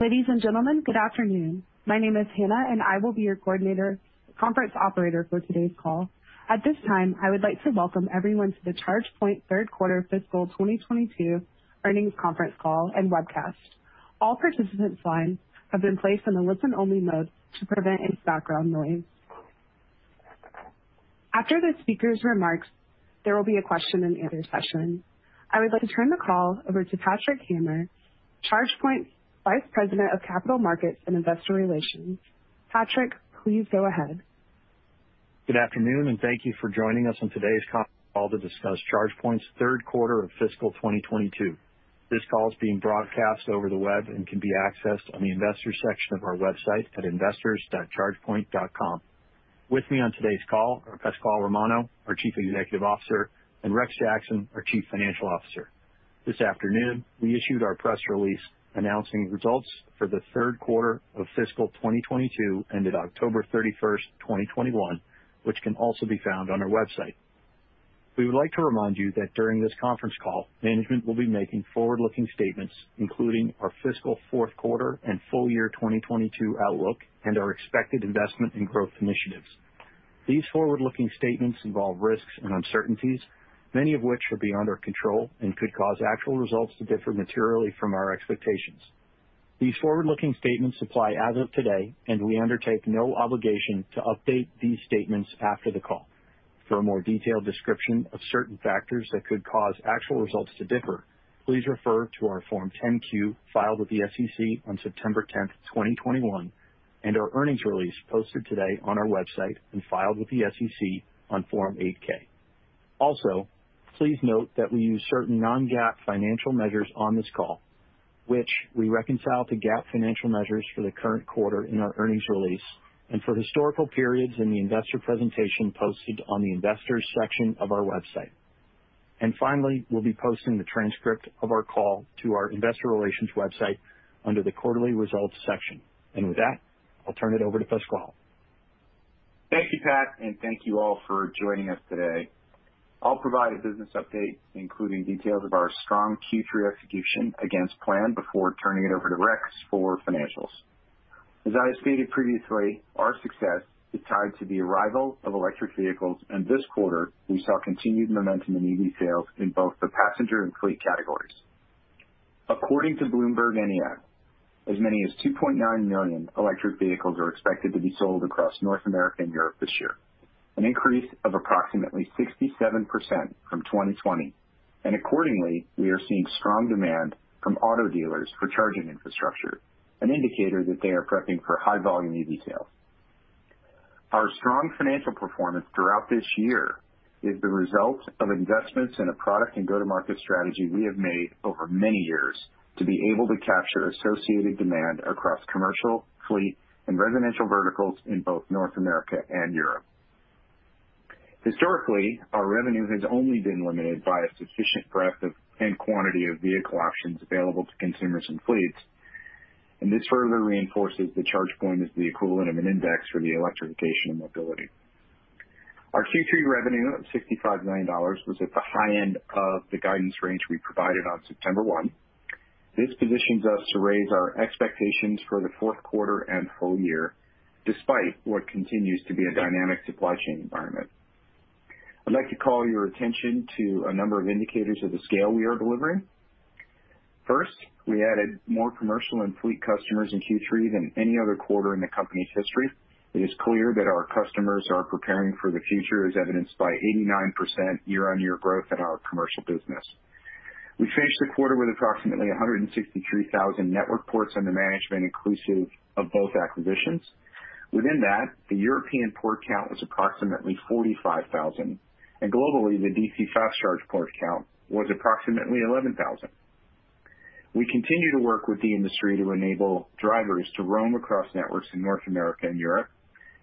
Ladies and gentlemen, good afternoon. My name is Hannah, and I will be your coordinator, conference operator for today's call. At this time, I would like to welcome everyone to the ChargePoint third quarter fiscal 2022 earnings conference call and webcast. All participants' lines have been placed on a listen-only mode to prevent any background noise. After the speaker's remarks, there will be a question and answer session. I would like to turn the call over to Patrick Hamer, ChargePoint's Vice President of Capital Markets and Investor Relations. Patrick, please go ahead. Good afternoon, and thank you for joining us on today's call to discuss ChargePoint's third quarter of fiscal 2022. This call is being broadcast over the web and can be accessed on the investors section of our website at investors.chargepoint.com. With me on today's call are Pasquale Romano, our Chief Executive Officer, and Rex Jackson, our Chief Financial Officer. This afternoon, we issued our press release announcing results for the third quarter of fiscal 2022 ended October 31, 2021, which can also be found on our website. We would like to remind you that during this conference call, management will be making forward-looking statements, including our fiscal fourth quarter and full-year 2022 outlook and our expected investment and growth initiatives. These forward-looking statements involve risks and uncertainties, many of which are beyond our control and could cause actual results to differ materially from our expectations. These forward-looking statements apply as of today, and we undertake no obligation to update these statements after the call. For a more detailed description of certain factors that could cause actual results to differ, please refer to our Form 10-Q filed with the SEC on September 10, 2021, and our earnings release posted today on our website and filed with the SEC on Form 8-K. Also, please note that we use certain non-GAAP financial measures on this call, which we reconcile to GAAP financial measures for the current quarter in our earnings release and for historical periods in the investor presentation posted on the investors section of our website. Finally, we'll be posting the transcript of our call to our investor relations website under the Quarterly Results section. With that, I'll turn it over to Pascal. Thank you, Pat, and thank you all for joining us today. I'll provide a business update, including details of our strong Q3 execution against plan before turning it over to Rex for financials. As I have stated previously, our success is tied to the arrival of electric vehicles, and this quarter we saw continued momentum in EV sales in both the passenger and fleet categories. According to BloombergNEF, as many as 2.9 million electric vehicles are expected to be sold across North America and Europe this year, an increase of approximately 67% from 2020. Accordingly, we are seeing strong demand from auto dealers for charging infrastructure, an indicator that they are prepping for high-volume EV sales. Our strong financial performance throughout this year is the result of investments in a product and go-to-market strategy we have made over many years to be able to capture associated demand across commercial, fleet, and residential verticals in both North America and Europe. Historically, our revenue has only been limited by a sufficient breadth of and quantity of vehicle options available to consumers and fleets, and this further reinforces the ChargePoint as the equivalent of an index for the electrification of mobility. Our Q3 revenue of $65 million was at the high end of the guidance range we provided on September 1. This positions us to raise our expectations for the fourth quarter and full-year, despite what continues to be a dynamic supply chain environment. I'd like to call your attention to a number of indicators of the scale we are delivering. First, we added more commercial and fleet customers in Q3 than any other quarter in the company's history. It is clear that our customers are preparing for the future, as evidenced by 89% year-over-year growth in our commercial business. We finished the quarter with approximately 163,000 network ports under management, inclusive of both acquisitions. Within that, the European port count was approximately 45,000 and globally the DC Fast Charge port count was approximately 11,000. We continue to work with the industry to enable drivers to roam across networks in North America and Europe.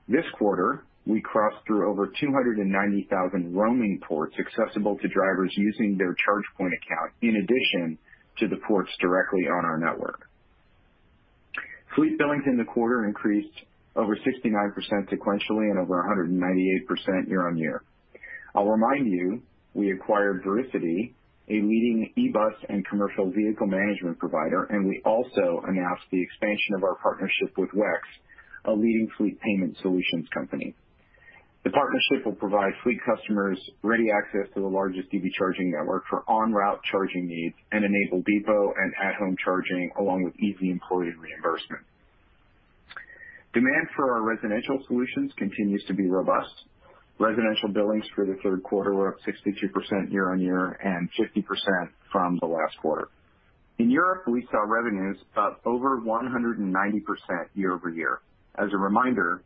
This quarter, we crossed through over 290,000 roaming ports accessible to drivers using their ChargePoint account, in addition to the ports directly on our network. Fleet billings in the quarter increased over 69% sequentially and over 198% year-over-year. I'll remind you, we acquired ViriCiti, a leading e-bus and commercial vehicle management provider, and we also announced the expansion of our partnership with WEX, a leading fleet payment solutions company. The partnership will provide fleet customers ready access to the largest EV charging network for en route charging needs and enable depot and at-home charging, along with easy employee reimbursement. Demand for our residential solutions continues to be robust. Residential billings for the third quarter were up 62% year-over-year and 50% from the last quarter. In Europe, we saw revenues up over 190% year-over-year. As a reminder,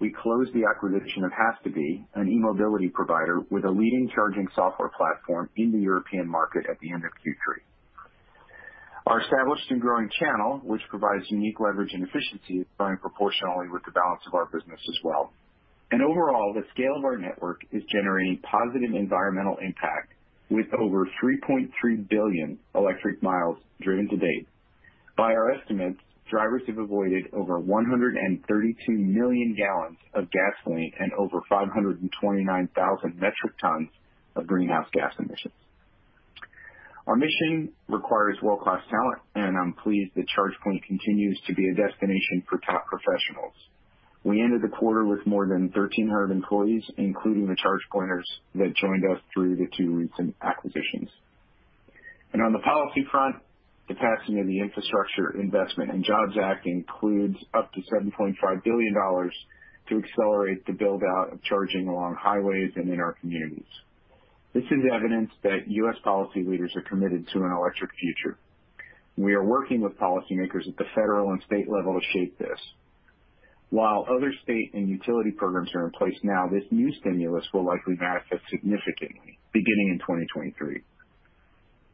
we closed the acquisition of has·to·be, an e-mobility provider with a leading charging software platform in the European market at the end of Q3. Our established and growing channel, which provides unique leverage and efficiency, is growing proportionally with the balance of our business as well. Overall, the scale of our network is generating positive environmental impact, with over 3.3 billion electric miles driven to date. By our estimates, drivers have avoided over 132 million gallons of gasoline and over 529,000 metric tons of greenhouse gas emissions. Our mission requires world-class talent, and I'm pleased that ChargePoint continues to be a destination for top professionals. We ended the quarter with more than 1,300 employees, including the ChargePointers that joined us through the two recent acquisitions. On the policy front, the passing of the Infrastructure Investment and Jobs Act includes up to $7.5 billion to accelerate the build-out of charging along highways and in our communities. This is evidence that U.S. policy leaders are committed to an electric future. We are working with policymakers at the federal and state level to shape this. While other state and utility programs are in place now, this new stimulus will likely manifest significantly beginning in 2023.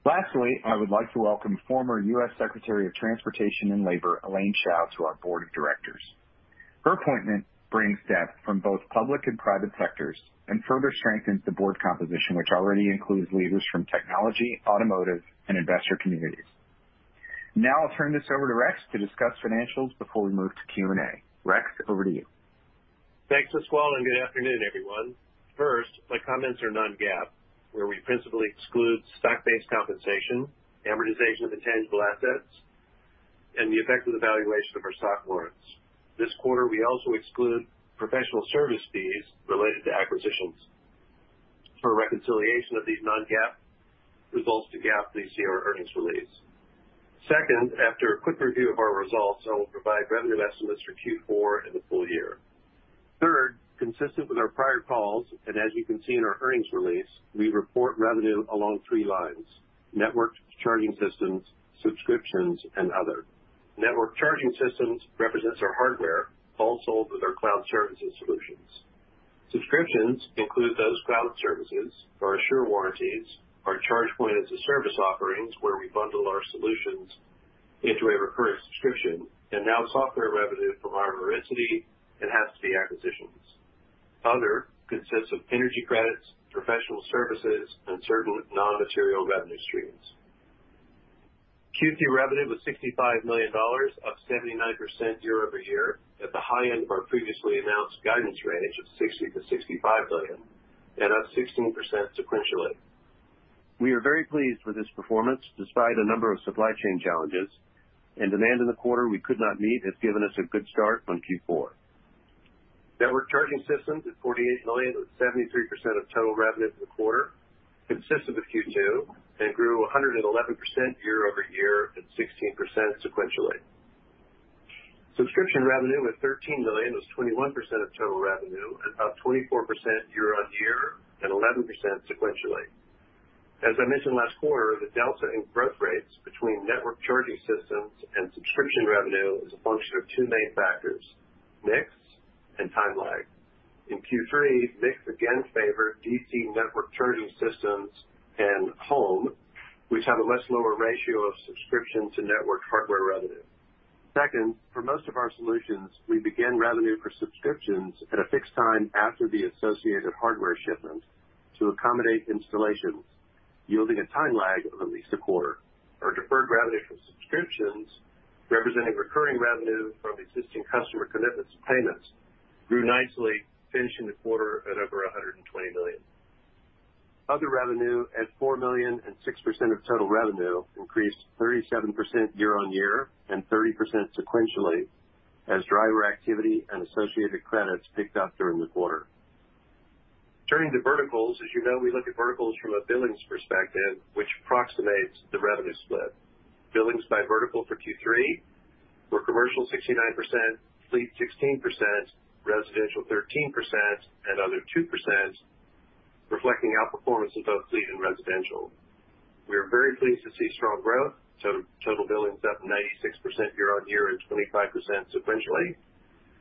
Lastly, I would like to welcome former U.S. Secretary of Transportation and Labor, Elaine Chao, to our board of directors. Her appointment brings depth from both public and private sectors and further strengthens the board composition, which already includes leaders from technology, automotive, and investor communities. Now I'll turn this over to Rex to discuss financials before we move to Q&A. Rex, over to you. Thanks, Aswal, and good afternoon, everyone. First, my comments are non-GAAP, where we principally exclude stock-based compensation, amortization of intangible assets, and the effect of the valuation of our stock warrants. This quarter we also exclude professional service fees related to acquisitions. For reconciliation of these non-GAAP results to GAAP, please see our earnings release. Second, after a quick review of our results, I will provide revenue estimates for Q4 and the full-year. Third, consistent with our prior calls, and as you can see in our earnings release, we report revenue along three lines, network charging systems, subscriptions, and other. Networked charging systems represents our hardware, also with our cloud services solutions. Subscriptions include those cloud services, our assure warranties, our ChargePoint as a Service offerings, where we bundle our solutions into a recurring subscription, and now software revenue from our ViriCiti and has·to·be acquisitions. Other consists of energy credits, professional services, and certain non-material revenue streams. Q3 revenue was $65 million, up 79% year-over-year at the high end of our previously announced guidance range of $60-$65 million and up 16% sequentially. We are very pleased with this performance despite a number of supply chain challenges and demand in the quarter we could not meet has given us a good start on Q4. Networked charging systems at $48 million was 73% of total revenue for the quarter, consistent with Q2, and grew 111% year-over-year and 16% sequentially. Subscription revenue was $13 million, was 21% of total revenue and up 24% year-over-year and 11% sequentially. As I mentioned last quarter, the delta in growth rates between networked charging systems and subscription revenue is a function of two main factors, mix and timeline. In Q3, mix again favored DC networked charging systems and Home, which have a much lower ratio of subscriptions to network hardware revenue. Second, for most of our solutions, we begin revenue for subscriptions at a fixed time after the associated hardware shipment to accommodate installations, yielding a time lag of at least a quarter. Our deferred revenue from subscriptions, representing recurring revenue from existing customer commitments and payments, grew nicely, finishing the quarter at over $120 million. Other revenue at $4 million and 6% of total revenue increased 37% year-on-year and 30% sequentially as driver activity and associated credits picked up during the quarter. Turning to verticals, as you know, we look at verticals from a billings perspective, which approximates the revenue split. Billings by vertical for Q3 were commercial 69%, fleet 16%, residential 13%, and other 2%, reflecting outperformance of both fleet and residential. We are very pleased to see strong growth. Total billings up 96% year-on-year and 25% sequentially,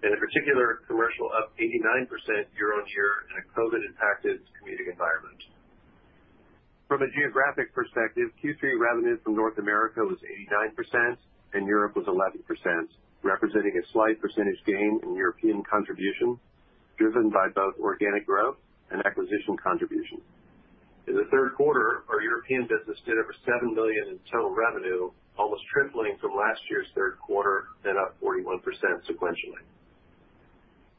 and in particular, commercial up 89% year-on-year in a COVID-impacted community environment. From a geographic perspective, Q3 revenue from North America was 89% and Europe was 11%, representing a slight percentage gain in European contribution driven by both organic growth and acquisition contributions. In the third quarter, our European business did over $7 million in total revenue, almost tripling from last year's third quarter and up 41% sequentially.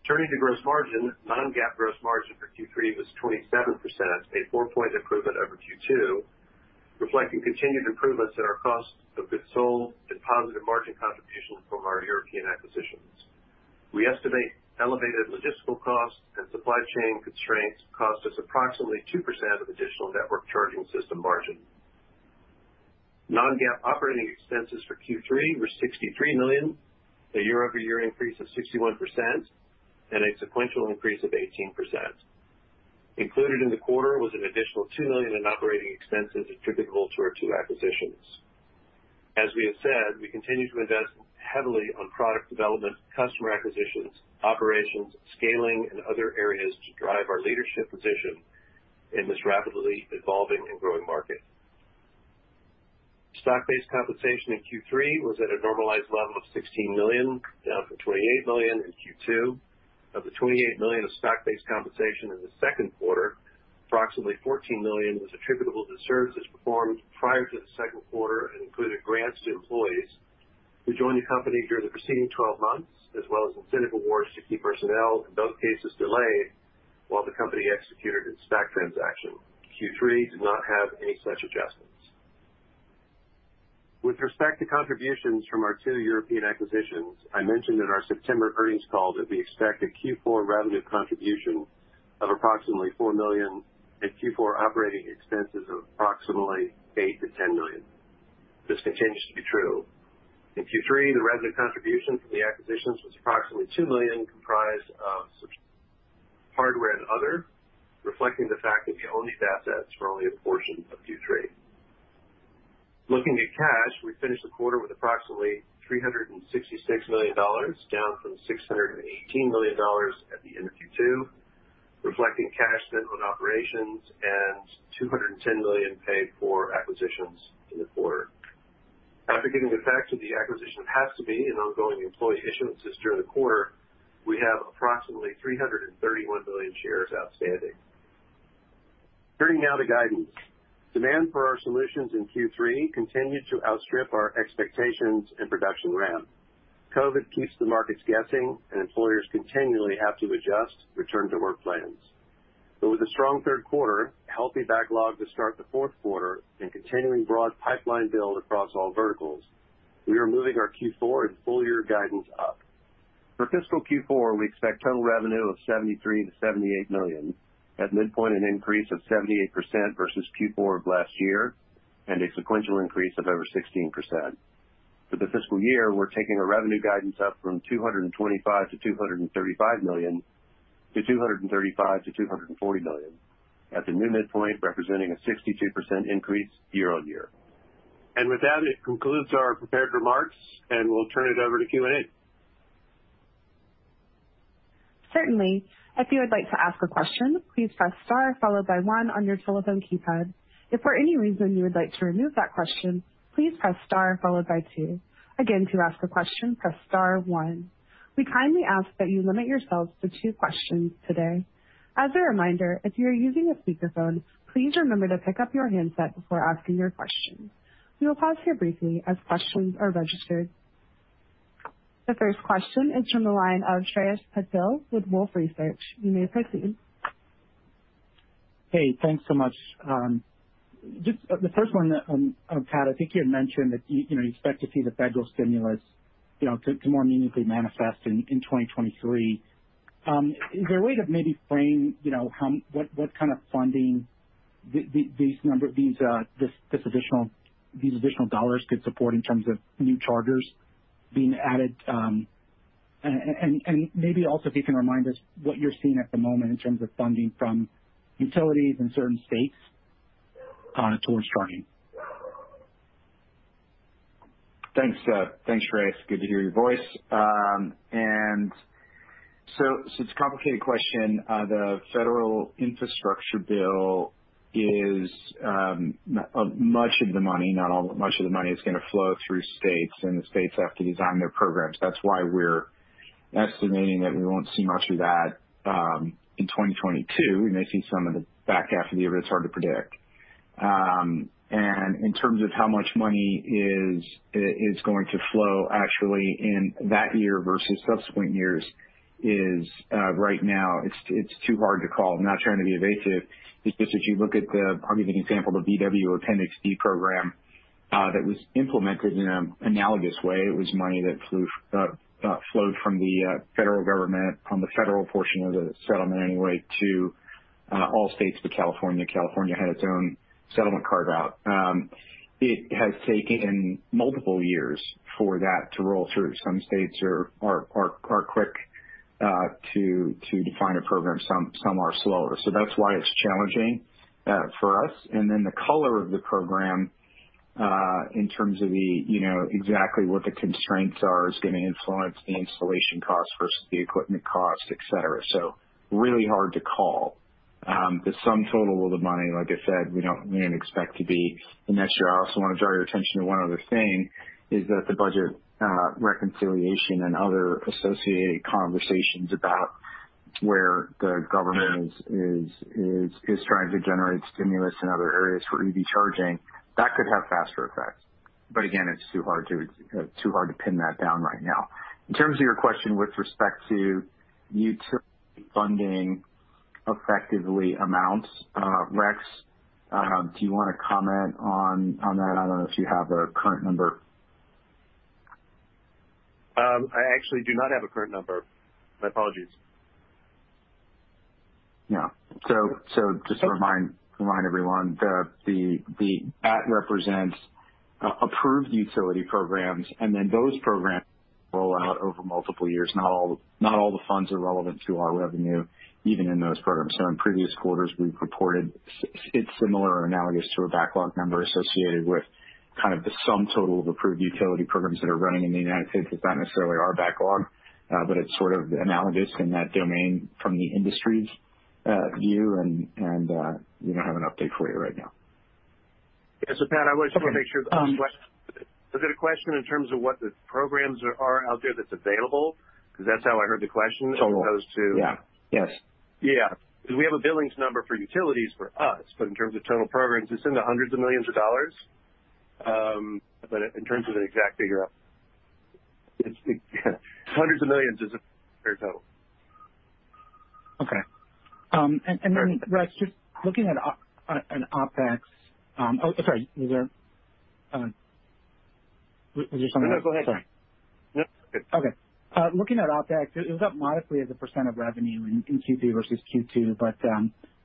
Turning to gross margin, non-GAAP gross margin for Q3 was 27%, a 4-point improvement over Q2, reflecting continued improvements in our cost of goods sold and positive margin contributions from our European acquisitions. We estimate elevated logistical costs and supply chain constraints cost us approximately 2% of additional networked charging system margin. Non-GAAP operating expenses for Q3 were $63 million, a year-over-year increase of 61% and a sequential increase of 18%. Included in the quarter was an additional $2 million in operating expenses attributable to our two acquisitions. We continue to invest heavily on product development, customer acquisitions, operations, scaling, and other areas to drive our leadership position in this rapidly evolving and growing market. Stock-based compensation in Q3 was at a normalized level of $16 million, down from $28 million in Q2. Of the $28 million of stock-based compensation in the second quarter, approximately $14 million was attributable to services performed prior to the second quarter and included grants to employees. Who joined the company during the preceding 12 months, as well as incentive awards to key personnel. In both cases delayed while the company executed its SPAC transaction. Q3 did not have any such adjustments. With respect to contributions from our two European acquisitions, I mentioned in our September earnings call that we expect a Q4 revenue contribution of approximately $4 million and Q4 operating expenses of approximately $8 million-$10 million. This continues to be true. In Q3, the revenue contribution from the acquisitions was approximately $2 million, comprised of subs, hardware, and other, reflecting the fact that we owned these assets for only a portion of Q3. Looking at cash, we finished the quarter with approximately $366 million, down from $618 million at the end of Q2, reflecting cash spent on operations and $210 million paid for acquisitions in the quarter. After giving effect to the acquisition of has·to·be and ongoing employee issuances during the quarter, we have approximately 331 million shares outstanding. Turning now to guidance. Demand for our solutions in Q3 continued to outstrip our expectations and production ramp. COVID keeps the markets guessing and employers continually have to adjust return-to-work plans. With a strong third quarter, healthy backlog to start the fourth quarter and continuing broad pipeline build across all verticals, we are moving our Q4 and full-year guidance up. For fiscal Q4, we expect total revenue of $73 million-$78 million. At midpoint an increase of 78% versus Q4 of last year, and a sequential increase of over 16%. For the fiscal year, we're taking our revenue guidance up from $225 million-$235 million to $235 million-$240 million. At the new midpoint, representing a 62% increase year-over-year. With that, it concludes our prepared remarks, and we'll turn it over to Q&A. Certainly. If you would like to ask a question, please press star followed by one on your telephone keypad. If for any reason you would like to remove that question, please press star followed by two. Again, to ask a question, press star one. We kindly ask that you limit yourselves to two questions today. As a reminder, if you are using a speakerphone, please remember to pick up your handset before asking your question. We will pause here briefly as questions are registered. The first question is from the line of Shreyas Patil with Wolfe Research. You may proceed. Hey, thanks so much. Just the first one, Pat, I think you had mentioned that you know, you expect to see the federal stimulus, you know, to more meaningfully manifest in 2023. Is there a way to maybe frame, you know, how what kind of funding these additional dollars could support in terms of new chargers being added? And maybe also if you can remind us what you're seeing at the moment in terms of funding from utilities in certain states towards charging. Thanks, Shreyas. Good to hear your voice. It's a complicated question. The federal infrastructure bill is much of the money, not all, much of the money is gonna flow through states, and the states have to design their programs. That's why we're estimating that we won't see much of that in 2022. We may see some in the back half of the year, but it's hard to predict. In terms of how much money is going to flow actually in that year versus subsequent years is right now it's too hard to call. I'm not trying to be evasive. It's just as you look at the. I'll give you an example. The VW Appendix D program that was implemented in an analogous way. It was money that flowed from the federal government on the federal portion of the settlement anyway, to all states but California. California had its own settlement carve-out. It has taken multiple years for that to roll through. Some states are quick to define a program. Some are slower. That's why it's challenging for us. Then the color of the program in terms of the, you know, exactly what the constraints are, is gonna influence the installation cost versus the equipment cost, et cetera. Really hard to call. The sum total of the money, like I said, we didn't expect to be in next year. I also want to draw your attention to one other thing is that the budget, reconciliation and other associated conversations about where the government is trying to generate stimulus in other areas for EV charging, that could have faster effects. Again, it's too hard to pin that down right now. In terms of your question with respect to utility funding effectively amounts, Rex, do you wanna comment on that? I don't know if you have a current number. I actually do not have a current number. My apologies. Yeah. Just to remind everyone, the AT represents approved utility programs and then those programs roll out over multiple years. Not all the funds are relevant to our revenue even in those programs. In previous quarters we've reported it's similar or analogous to a backlog number associated with kind of the sum total of approved utility programs that are running in the United States. It's not necessarily our backlog, but it's sort of analogous in that domain from the industry's view. We don't have an update for you right now. Yeah. Pat, I just want to make sure- Um- Is it a question in terms of what the programs are out there that's available? Because that's how I heard the question as opposed to. Yes. We have a billings number for utilities for us, but in terms of total programs, it's in the hundreds of millions of dollars. In terms of the exact figure, it's, yeah, hundreds of millions is a fair total. Okay. Rex, just looking at an OpEx. Oh, sorry. Was there something- No, go ahead. Sorry. No, it's okay. Okay. Looking at OpEx, it was up modestly as a percent of revenue in Q3 versus Q2, but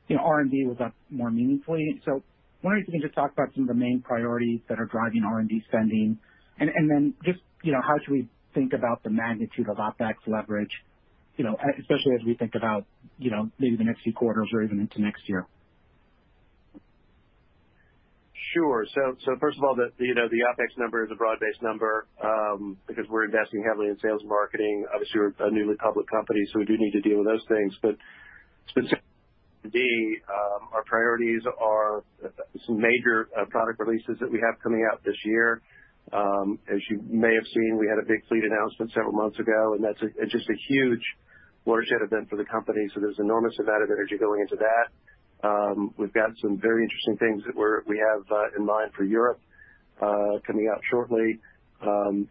you know, R&D was up more meaningfully. I was wondering if you can just talk about some of the main priorities that are driving R&D spending, and then just you know, how should we think about the magnitude of OpEx leverage, you know, especially as we think about you know, maybe the next few quarters or even into next year. Sure. First of all, you know, the OpEx number is a broad-based number, because we're investing heavily in sales and marketing. Obviously, we're a newly public company, so we do need to deal with those things. Specifically, our priorities are some major product releases that we have coming out this year. As you may have seen, we had a big fleet announcement several months ago, and that's just a huge watershed event for the company, so there's an enormous amount of energy going into that. We've got some very interesting things that we have in mind for Europe coming out shortly.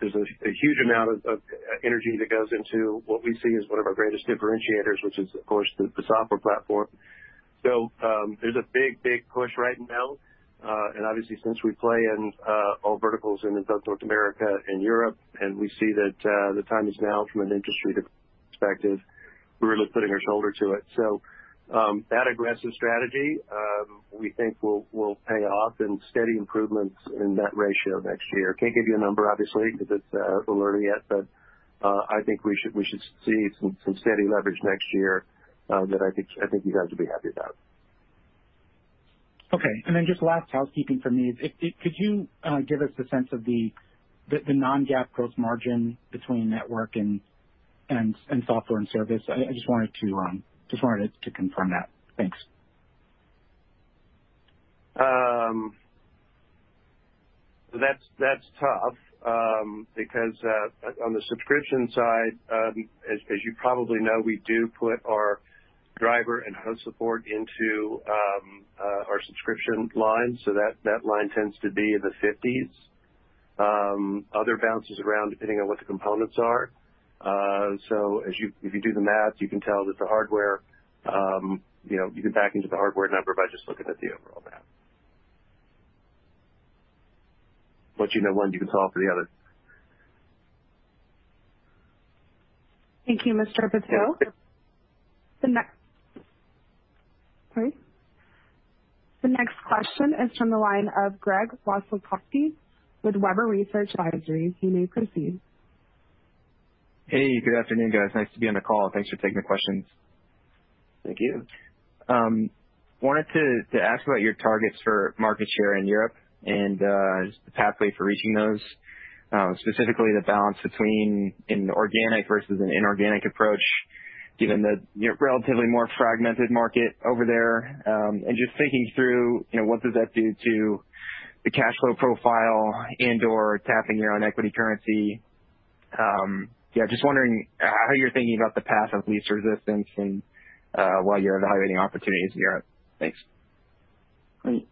There's a huge amount of energy that goes into what we see as one of our greatest differentiators, which is, of course, the software platform. There's a big push right now. Obviously, since we play in all verticals in North America and Europe, and we see that the time is now from an industry perspective, we're really putting our shoulder to it. That aggressive strategy, we think will pay off in steady improvements in that ratio next year. Can't give you a number, obviously, because it's early yet, but I think we should see some steady leverage next year, that I think you guys will be happy about. Okay. Then just last housekeeping for me. Could you give us a sense of the non-GAAP gross margin between network and software and service? I just wanted to confirm that. Thanks. That's tough because on the subscription side, as you probably know, we do put our driver and host support into our subscription line, so that line tends to be in the fifties. Other bounces around depending on what the components are. So if you do the math, you can tell that the hardware, you know, you can back into the hardware number by just looking at the overall math. Once you know one, you can solve for the other. Thank you, Mr. Pasquale. The next question is from the line of Greg Wasikowski with Webber Research & Advisory. You may proceed. Hey, good afternoon, guys. Nice to be on the call. Thanks for taking the questions. Thank you. I wanted to ask about your targets for market share in Europe and the pathway for reaching those, specifically the balance between an organic versus an inorganic approach, given the relatively more fragmented market over there. Just thinking through, you know, what does that do to the cash flow profile and/or tapping your own equity currency? Yeah, just wondering how you're thinking about the path of least resistance and while you're evaluating opportunities in Europe. Thanks. Great.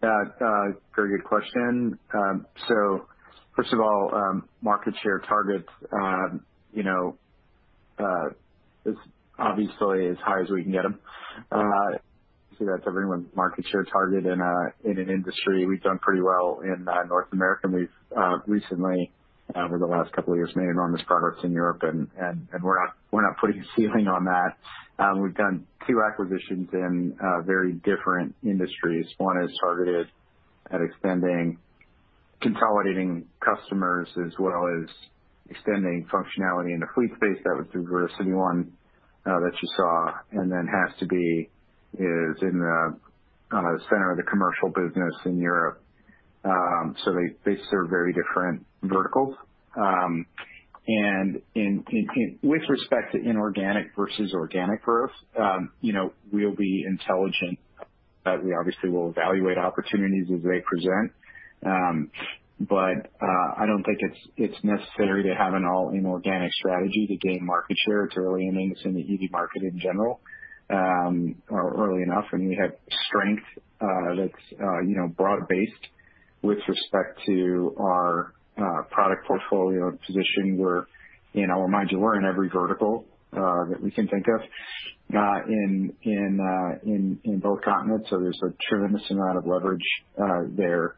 Very good question. First of all, market share targets, you know, is obviously as high as we can get them. That's everyone's market share target in an industry. We've done pretty well in North America, and we've recently over the last couple of years, made enormous progress in Europe, and we're not putting a ceiling on that. We've done two acquisitions in very different industries. One is targeted at extending, consolidating customers as well as extending functionality in the fleet space. That was the ViriCiti one that you saw. Then has·to·be is in the center of the commercial business in Europe. They serve very different verticals. With respect to inorganic versus organic growth, you know, we'll be intelligent. We obviously will evaluate opportunities as they present. I don't think it's necessary to have an all-inorganic strategy to gain market share. It's early innings in the EV market in general, or early enough, and we have strength that's, you know, broad-based with respect to our product portfolio position. Now mind you, we're in every vertical that we can think of in both continents. There's a tremendous amount of leverage there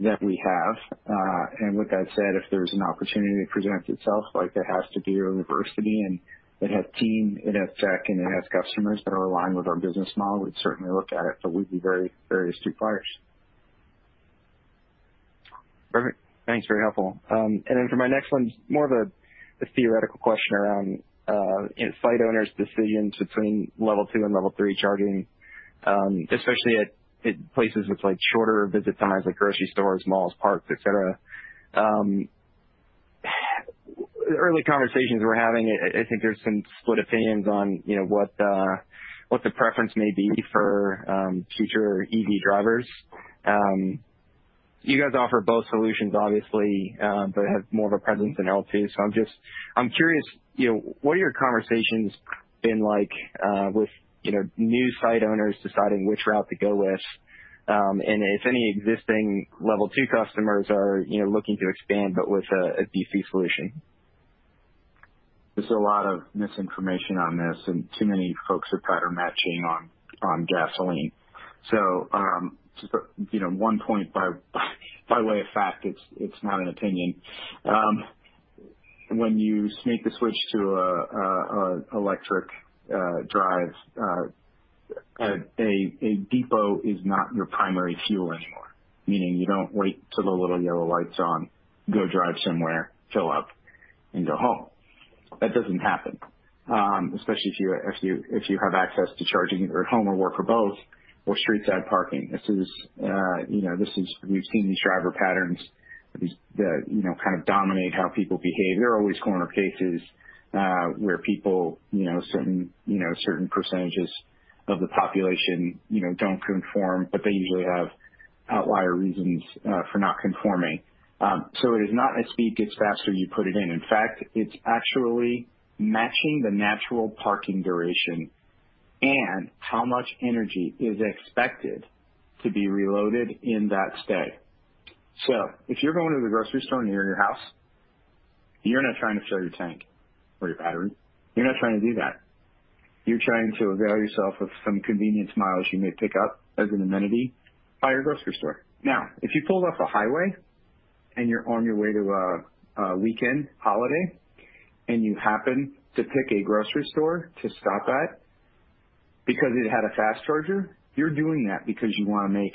that we have. With that said, if there's an opportunity that presents itself, like has to be or ViriCiti, and it has team, it has tech, and it has customers that are aligned with our business model, we'd certainly look at it, but we'd be very, very astute buyers. Perfect. Thanks. Very helpful. For my next one, more of a theoretical question around site owners' decisions between Level two and Level three charging, especially at places with, like, shorter visit times, like grocery stores, malls, parks, et cetera. Early conversations we're having, I think there's some split opinions on, you know, what the preference may be for future EV drivers. You guys offer both solutions obviously, but have more of a presence in L2. I'm just curious, you know, what are your conversations been like with new site owners deciding which route to go with? If any existing Level ttwo customers are, you know, looking to expand, but with a DC solution. There's a lot of misinformation on this, and too many folks are pattern matching on gasoline. You know, one point by way of fact, it's not an opinion. When you make the switch to an electric drive, a depot is not your primary fuel anymore, meaning you don't wait till the little yellow light's on, go drive somewhere, fill up and go home. That doesn't happen, especially if you have access to charging at home or work or both or street side parking. This is. We've seen these driver patterns that you know kind of dominate how people behave. There are always corner cases, where people, you know, certain, you know, certain percentages of the population, you know, don't conform, but they usually have outlier reasons, for not conforming. It is not as speed gets faster, you put it in. In fact, it's actually matching the natural parking duration and how much energy is expected to be reloaded in that stay. If you're going to the grocery store near your house, you're not trying to fill your tank or your battery. You're not trying to do that. You're trying to avail yourself of some convenience miles you may pick up as an amenity by your grocery store. Now, if you pulled off a highway and you're on your way to a weekend holiday and you happen to pick a grocery store to stop at because it had a fast charger, you're doing that because you want to make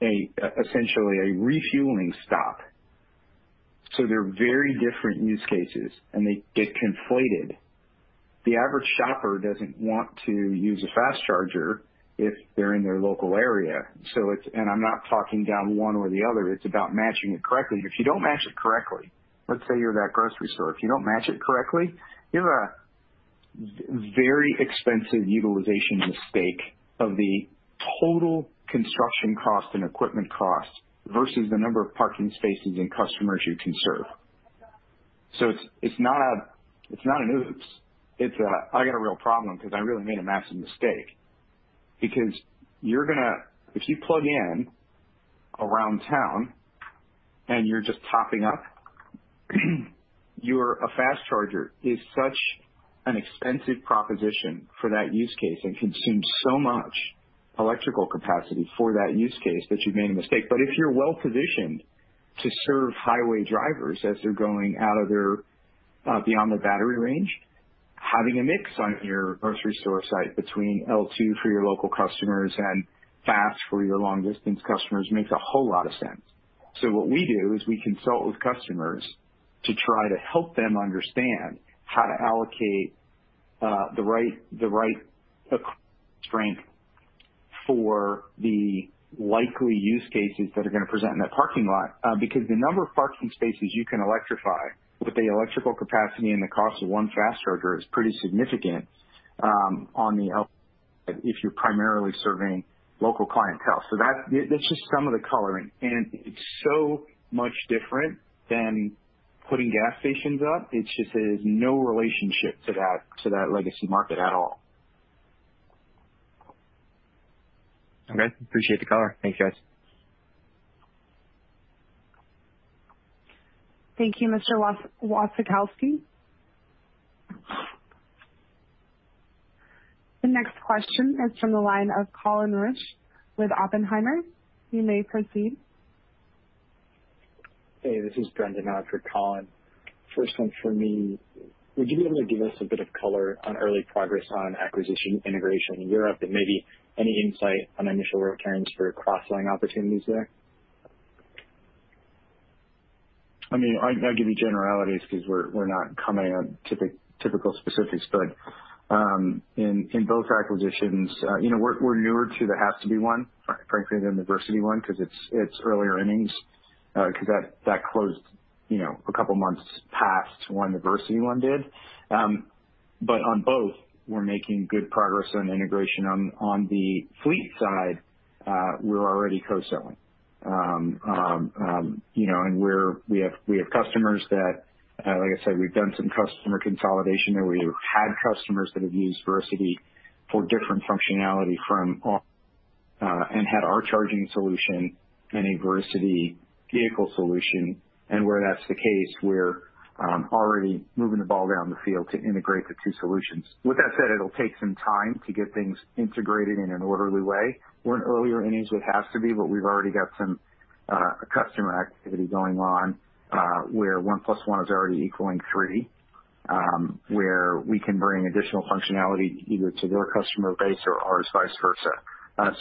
essentially a refueling stop. They're very different use cases, and they get conflated. The average shopper doesn't want to use a fast charger if they're in their local area. It's. I'm not talking down one or the other. It's about matching it correctly. If you don't match it correctly, let's say you're at that grocery store. If you don't match it correctly, you have a very expensive utilization mistake of the total construction cost and equipment cost versus the number of parking spaces and customers you can serve. It's not an oops. I got a real problem because I really made a massive mistake. If you plug in around town and you're just topping up, a fast charger is such an expensive proposition for that use case and consumes so much electrical capacity for that use case that you've made a mistake. If you're well positioned to serve highway drivers as they're going out of their beyond their battery range, having a mix on your grocery store site between L2 for your local customers and fast for your long distance customers makes a whole lot of sense. What we do is we consult with customers to try to help them understand how to allocate the right strength for the likely use cases that are gonna present in that parking lot. Because the number of parking spaces you can electrify with the electrical capacity and the cost of one fast charger is pretty significant if you're primarily serving local clientele. That's just some of the coloring. It's so much different than putting gas stations up. It's just there's no relationship to that legacy market at all. Okay. Appreciate the color. Thanks, guys. Thank you, Mr. Wasikowski. The next question is from the line of Colin Rusch with Oppenheimer. You may proceed. Hey, this is Brendan on for Colin. First one for me. Would you be able to give us a bit of color on early progress on acquisition integration in Europe and maybe any insight on initial returns for cross-selling opportunities there? I mean, I'll give you generalities because we're not commenting on typical specifics. In both acquisitions, you know, we're newer to the has·to·be one, frankly, than the ViriCiti one because it's earlier innings, because that closed, you know, a couple of months past when the ViriCiti one did. On both we're making good progress on integration. On the fleet side, we're already co-selling. You know, we have customers that, like I said, we've done some customer consolidation there. We've had customers that have used ViriCiti for different functionality from our and had our charging solution and a ViriCiti vehicle solution. Where that's the case, we're already moving the ball down the field to integrate the two solutions. With that said, it'll take some time to get things integrated in an orderly way. We're in earlier innings with has·to·be, but we've already got some customer activity going on, where one plus one is already equaling three, where we can bring additional functionality either to their customer base or ours, vice versa.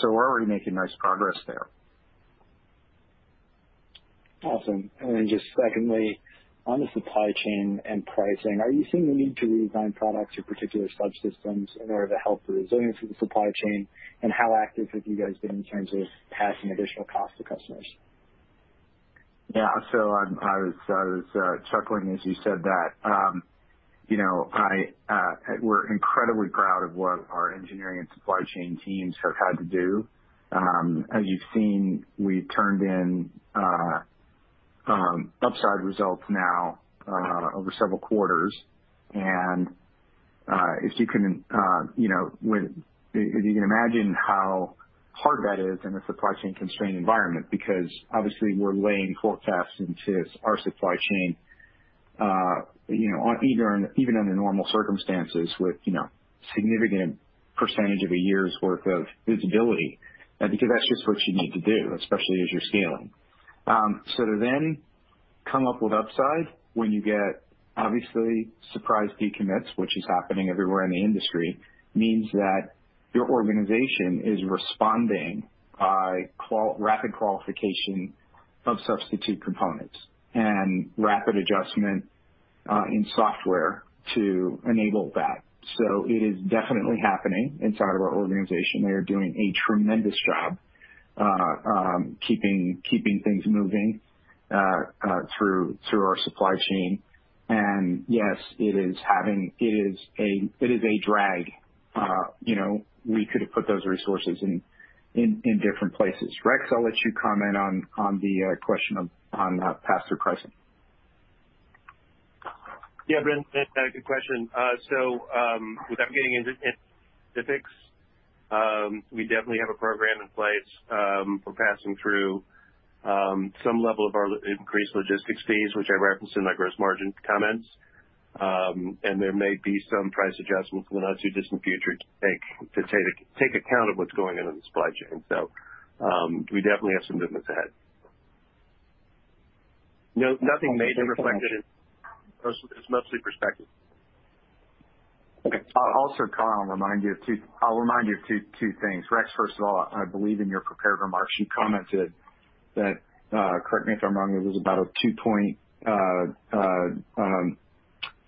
We're already making nice progress there. Awesome. Then just secondly, on the supply chain and pricing, are you seeing the need to redesign products or particular subsystems in order to help the resilience of the supply chain? How active have you guys been in terms of passing additional cost to customers? Yeah. So I was chuckling as you said that. You know, we're incredibly proud of what our engineering and supply chain teams have had to do. As you've seen, we turned in upside results now over several quarters. If you can imagine how hard that is in a supply chain constrained environment, because obviously we're laying forecasts into our supply chain, you know, on even under normal circumstances with a significant percentage of a year's worth of visibility, because that's just what you need to do, especially as you're scaling. To then come up with upside when you get obviously surprise decommits, which is happening everywhere in the industry, means that your organization is responding by rapid qualification of substitute components and rapid adjustment in software to enable that. It is definitely happening inside of our organization. They are doing a tremendous job keeping things moving through our supply chain. Yes, it is a drag. You know, we could have put those resources in different places. Rex, I'll let you comment on the question of pass through pricing. Yeah. Brent, good question. Without getting into specifics, we definitely have a program in place for passing through some level of our increased logistics fees, which I referenced in my gross margin comments. There may be some price adjustments in the not too distant future to take account of what's going on in the supply chain. We definitely have some movement ahead. No, nothing made and reflected. It's mostly prospective. Carl, I'll remind you of two things. Rex, first of all, I believe in your prepared remarks, you commented that, correct me if I'm wrong,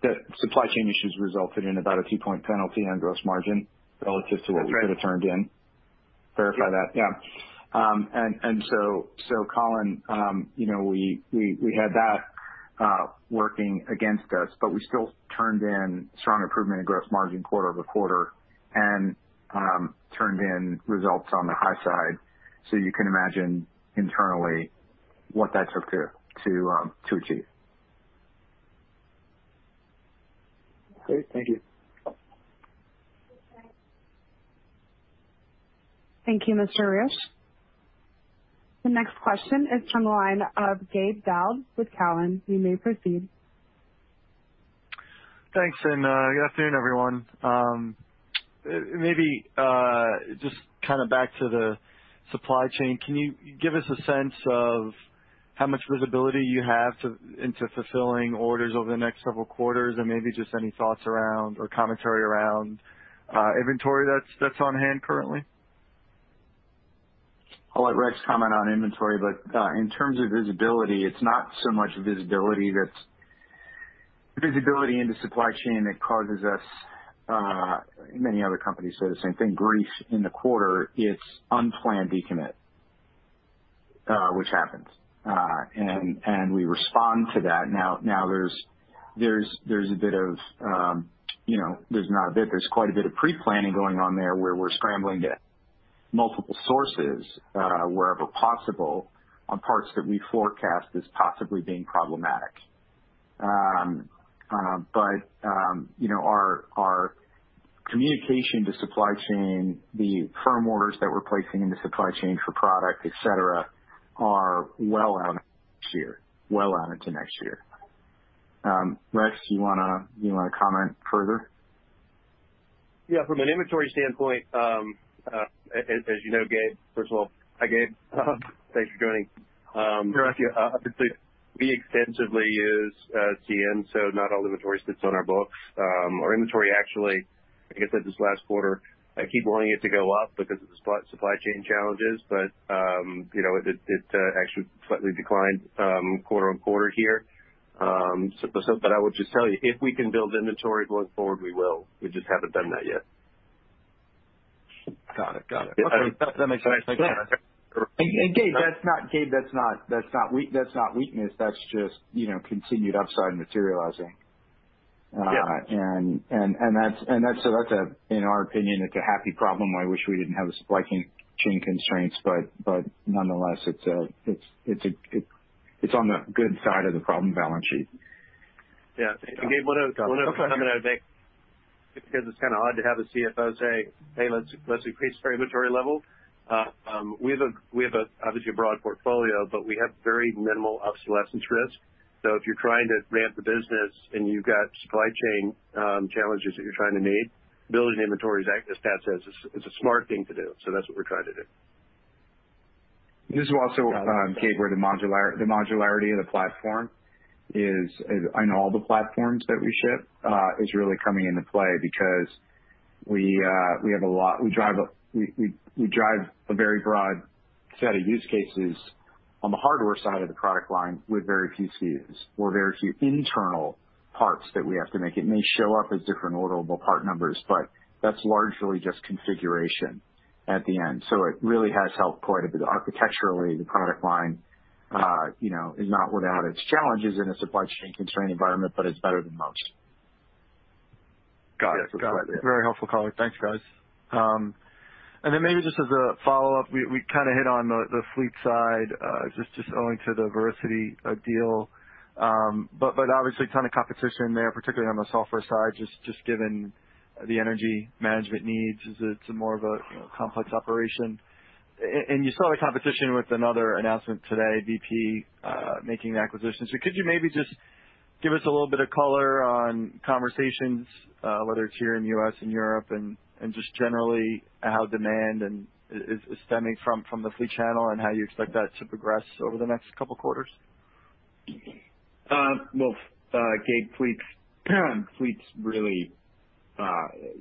that supply chain issues resulted in about a 2-point penalty on gross margin relative to what we could have turned in. That's right. Verify that. Yeah. And so, Colin, you know, we had that working against us, but we still turned in strong improvement in gross margin quarter-over-quarter and turned in results on the high side. You can imagine internally what that took to achieve. Great. Thank you. Thank you, Mr. Rusch. The next question is from the line of Gabe Daoud with Cowen, You may proceed. Thanks, good afternoon, everyone. Maybe just kind of back to the supply chain, can you give us a sense of how much visibility you have into fulfilling orders over the next several quarters and maybe just any thoughts around or commentary around inventory that's on hand currently? I'll let Rex comment on inventory, but in terms of visibility, it's not so much visibility into supply chain that causes us, many other companies say the same thing, grief in the quarter. It's unplanned decommit, which happens. And we respond to that. Now there's a bit of, you know, there's not a bit there's quite a bit of pre-planning going on there where we're scrambling to multiple sources, wherever possible on parts that we forecast as possibly being problematic. But you know, our communication to supply chain, the firm orders that we're placing in the supply chain for product, et cetera, are well out next year. Well out into next year. Rex, do you wanna comment further? Yeah. From an inventory standpoint, as you know, Gabe, first of all. Hi, Gabe. Thanks for joining. Sure. Obviously we extensively use CM, so not all inventory sits on our books. Our inventory actually, like I said, this last quarter, I keep wanting it to go up because of the supply chain challenges, but you know, it actually slightly declined quarter-over-quarter here. I would just tell you, if we can build inventory going forward, we will. We just haven't done that yet. Got it. That makes sense. Gabe, that's not weakness. That's just, you know, continued upside materializing. Yeah. In our opinion, that's a happy problem. I wish we didn't have the supply chain constraints, but nonetheless, it's on the good side of the problem balance sheet. Gabe, one other comment I would make, because it's kind of odd to have a CFO say, "Hey, let's increase our inventory level." We obviously have a broad portfolio, but we have very minimal obsolescence risk. If you're trying to ramp the business and you've got supply chain challenges that you're trying to meet, building inventory, as Pat says, is a smart thing to do. That's what we're trying to do. This is also, Gabe, where the modularity of the platform is on all the platforms that we ship, is really coming into play because we drive a very broad set of use cases on the hardware side of the product line with very few SKUs or very few internal parts that we have to make. It may show up as different orderable part numbers, but that's largely just configuration at the end. It really has helped quite a bit. Architecturally, the product line, you know, is not without its challenges in a supply chain constrained environment, but it's better than most. Got it. Yeah, it's right there. Very helpful color. Thanks, guys. Then maybe just as a follow-up, we kinda hit on the fleet side, just owing to the ViriCiti deal. Obviously ton of competition there, particularly on the software side, just given the energy management needs as it's more of a, you know, complex operation. You saw the competition with another announcement today, BP making acquisitions. Could you maybe just give us a little bit of color on conversations, whether it's here in the U.S. and Europe and just generally how demand is stemming from the fleet channel and how you expect that to progress over the next couple quarters? Gabe, fleets really,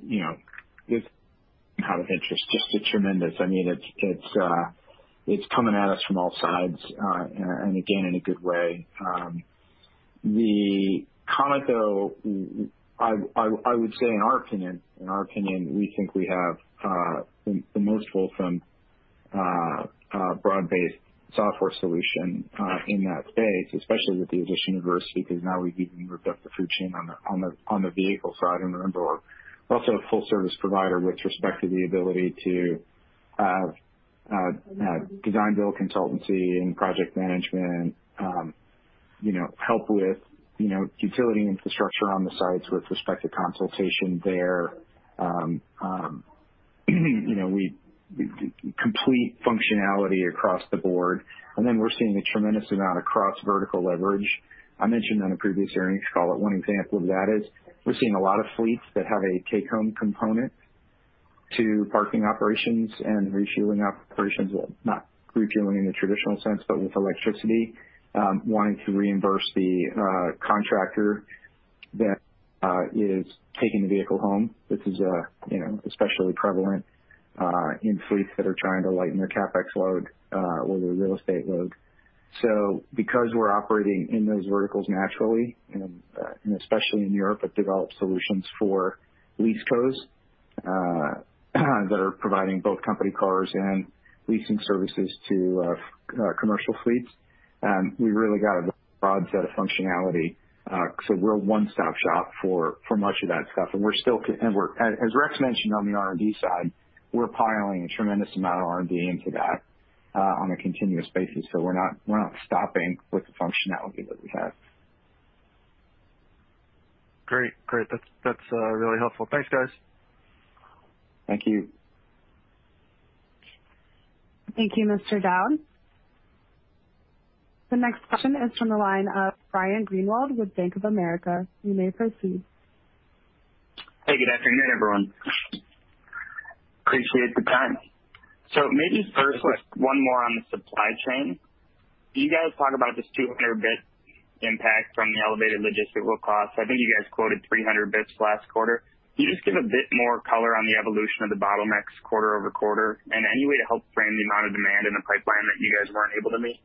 you know, just out of interest, just a tremendous. I mean, it's coming at us from all sides, and again, in a good way. The uncertain, I would say in our opinion, we think we have the most wholesome broad-based software solution in that space, especially with the addition of ViriCiti, because now we've even reached up the value chain on the vehicle side and we're also a full service provider with respect to the ability to design, build, consultancy and project management, you know, help with, you know, utility infrastructure on the sites with respect to consultation there. You know, we complete functionality across the board. We're seeing a tremendous amount of cross vertical leverage. I mentioned on a previous earnings call that one example of that is we're seeing a lot of fleets that have a take home component to parking operations and refueling operations, not refueling in the traditional sense, but with electricity, wanting to reimburse the contractor that is taking the vehicle home. This is, you know, especially prevalent in fleets that are trying to lighten their CapEx load or their real estate load. Because we're operating in those verticals naturally, and especially in Europe, have developed solutions for leasecos that are providing both company cars and leasing services to commercial fleets. We really got a broad set of functionality. We're a one-stop shop for much of that stuff. As Rex mentioned, on the R&D side, we're piling a tremendous amount of R&D into that, on a continuous basis. We're not stopping with the functionality that we have. Great. That's really helpful. Thanks, guys. Thank you. Thank you, Mr. Daoud. The next question is from the line of Ryan Greenwald with Bank of America. You may proceed. Hey, good afternoon, everyone. Appreciate the time. Maybe first, one more on the supply chain. You guys talk about this 200 basis points impact from the elevated logistical costs. I think you guys quoted 300 basis points last quarter. Can you just give a bit more color on the evolution of the bottlenecks quarter over quarter? And any way to help frame the amount of demand in the pipeline that you guys weren't able to meet?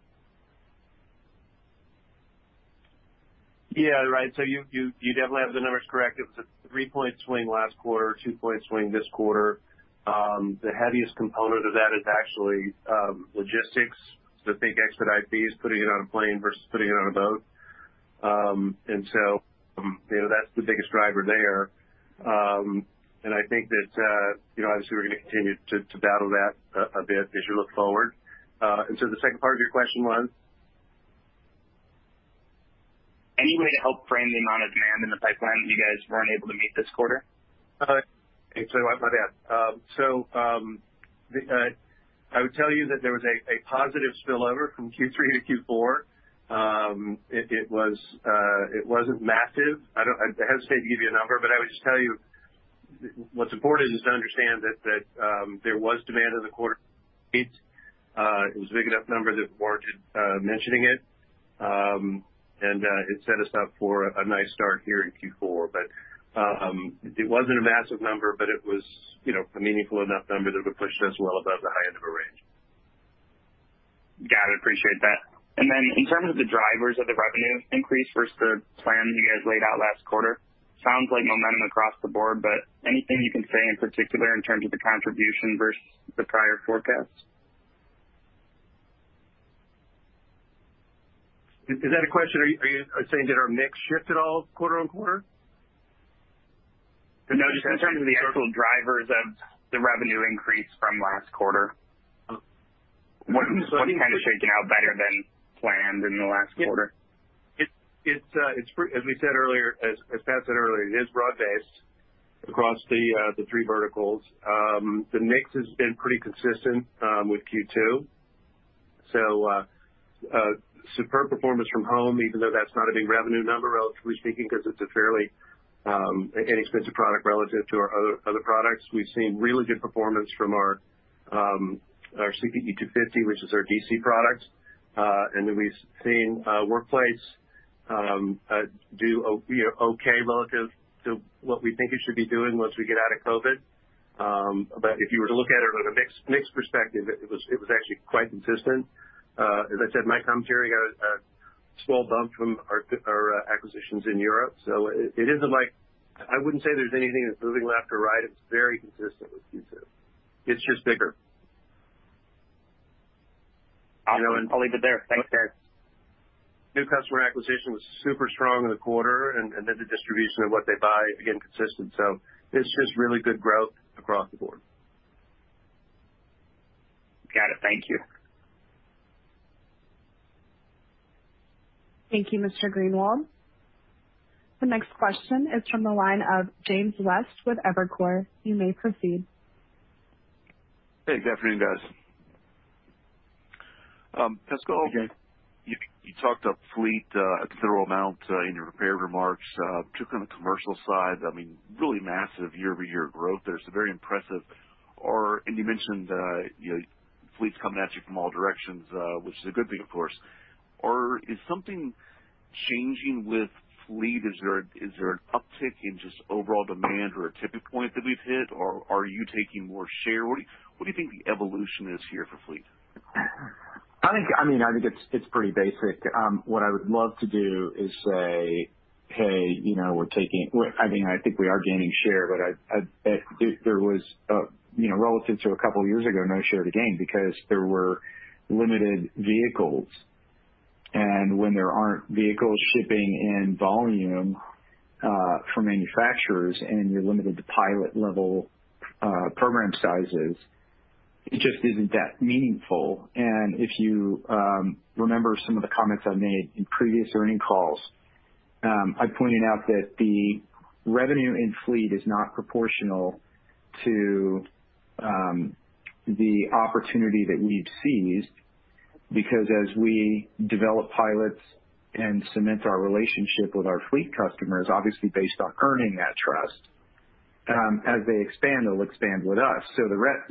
Yeah, right. You definitely have the numbers correct. It was a three-point swing last quarter, two-point swing this quarter. The heaviest component of that is actually logistics. Think expedite fees, putting it on a plane versus putting it on a boat. You know, that's the biggest driver there. I think that, you know, obviously we're gonna continue to battle that a bit as you look forward. The second part of your question was? Any way to help frame the amount of demand in the pipeline that you guys weren't able to meet this quarter? Sorry about that. I would tell you that there was a positive spillover from Q3 to Q4. It wasn't massive. I hesitate to give you a number, but I would just tell you, what's important is to understand that there was demand in the quarter, it was a big enough number that warranted mentioning it. It set us up for a nice start here in Q4. It wasn't a massive number, but it was, you know, a meaningful enough number that would push us well above the high end of our range. Got it. Appreciate that. In terms of the drivers of the revenue increase versus the plan that you guys laid out last quarter, sounds like momentum across the board, but anything you can say in particular in terms of the contribution versus the prior forecast? Is that a question? Are you saying did our mix shift at all quarter-over-quarter? No, just in terms of the actual drivers of the revenue increase from last quarter. Um. What kind of shaken out better than planned in the last quarter? As we said earlier, as Pat said earlier, it is broad-based across the three verticals. The mix has been pretty consistent with Q2. Superb performance from home, even though that's not a big revenue number relatively speaking, because it's a fairly inexpensive product relative to our other products. We've seen really good performance from our CPE 250, which is our DC product. And then we've seen workplace, you know, doing okay relative to what we think it should be doing once we get out of COVID. If you were to look at it on a mix perspective, it was actually quite consistent. As I said, my commentary got Small bump from our acquisitions in Europe. It isn't like I wouldn't say there's anything that's moving left or right. It's very consistent with Q2. It's just bigger. Awesome. You know, I'll leave it there. Thanks, guys. New customer acquisition was super strong in the quarter, and then the distribution of what they buy, again, consistent. It's just really good growth across the board. Got it. Thank you. Thank you, Mr. Greenwald. The next question is from the line of James West with Evercore. You may proceed. Hey, good afternoon, guys. Hey, James. You talked up fleet a considerable amount in your prepared remarks, particularly on the commercial side. I mean, really massive year-over-year growth there, so very impressive. You mentioned, you know, fleet's coming at you from all directions, which is a good thing, of course. Is something changing with fleet? Is there an uptick in just overall demand or a tipping point that we've hit, or are you taking more share? What do you think the evolution is here for fleet? I think, I mean, it's pretty basic. What I would love to do is say, I mean, I think we are gaining share, but you know, relative to a couple years ago, there was no share to gain because there were limited vehicles. When there aren't vehicles shipping in volume from manufacturers and you're limited to pilot-level program sizes, it just isn't that meaningful. If you remember some of the comments I made in previous earnings calls, I pointed out that the revenue in fleet is not proportional to the opportunity that we've seized. Because as we develop pilots and cement our relationship with our fleet customers, obviously based on earning that trust, as they expand, they'll expand with us.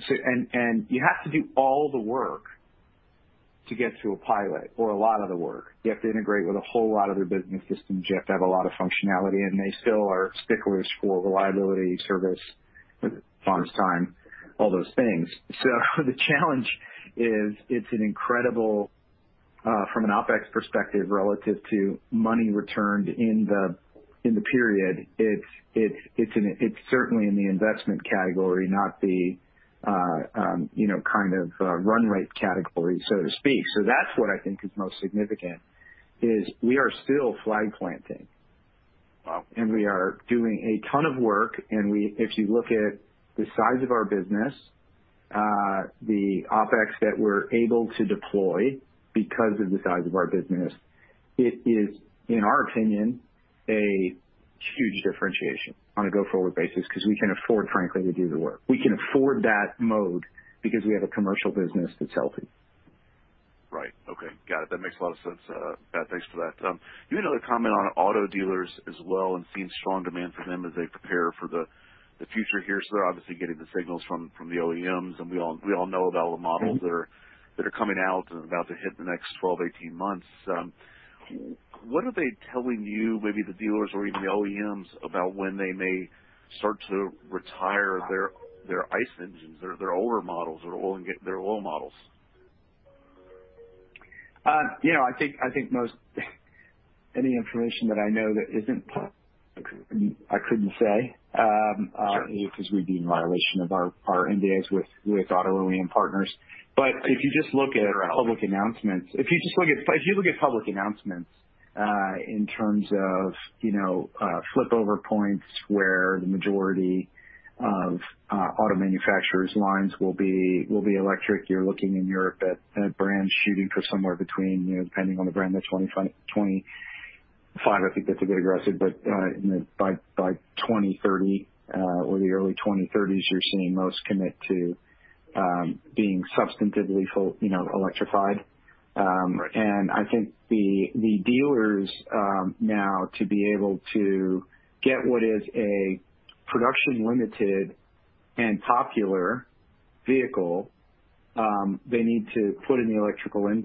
You have to do all the work to get to a pilot or a lot of the work. You have to integrate with a whole lot of their business systems. You have to have a lot of functionality, and they still are sticklers for reliability, service, response time, all those things. The challenge is it's an incredible from an OpEx perspective relative to money returned in the period, it's certainly in the investment category, not the you know, kind of run rate category, so to speak. That's what I think is most significant, is we are still flag planting. Wow. We are doing a ton of work. If you look at the size of our business, the OpEx that we're able to deploy because of the size of our business, it is, in our opinion, a huge differentiation on a go-forward basis because we can afford, frankly, to do the work. We can afford that mode because we have a commercial business that's healthy. Right. Okay. Got it. That makes a lot of sense. Yeah, thanks for that. You had another comment on auto dealers as well and seeing strong demand for them as they prepare for the future here. They're obviously getting the signals from the OEMs, and we all know about all the models that are coming out and about to hit the next 12 to 18 months. What are they telling you, maybe the dealers or even the OEMs, about when they may start to retire their ICEs engines, their older models or their oil models? You know, I think most any information that I know that isn't, I mean, I couldn't say. Sure. Because we'd be in violation of our NDAs with auto OEM partners. If you just look at public announcements in terms of, you know, tipping points where the majority of auto manufacturers' lines will be electric, you're looking in Europe at brands shooting for somewhere between, you know, depending on the brand, 25, I think that's a bit aggressive. You know, by 2030 or the early 2030s, you're seeing most commit to being substantively full, you know, electrified. Right. I think the dealers, now, to be able to get what is a production-limited and popular vehicle, they need to put in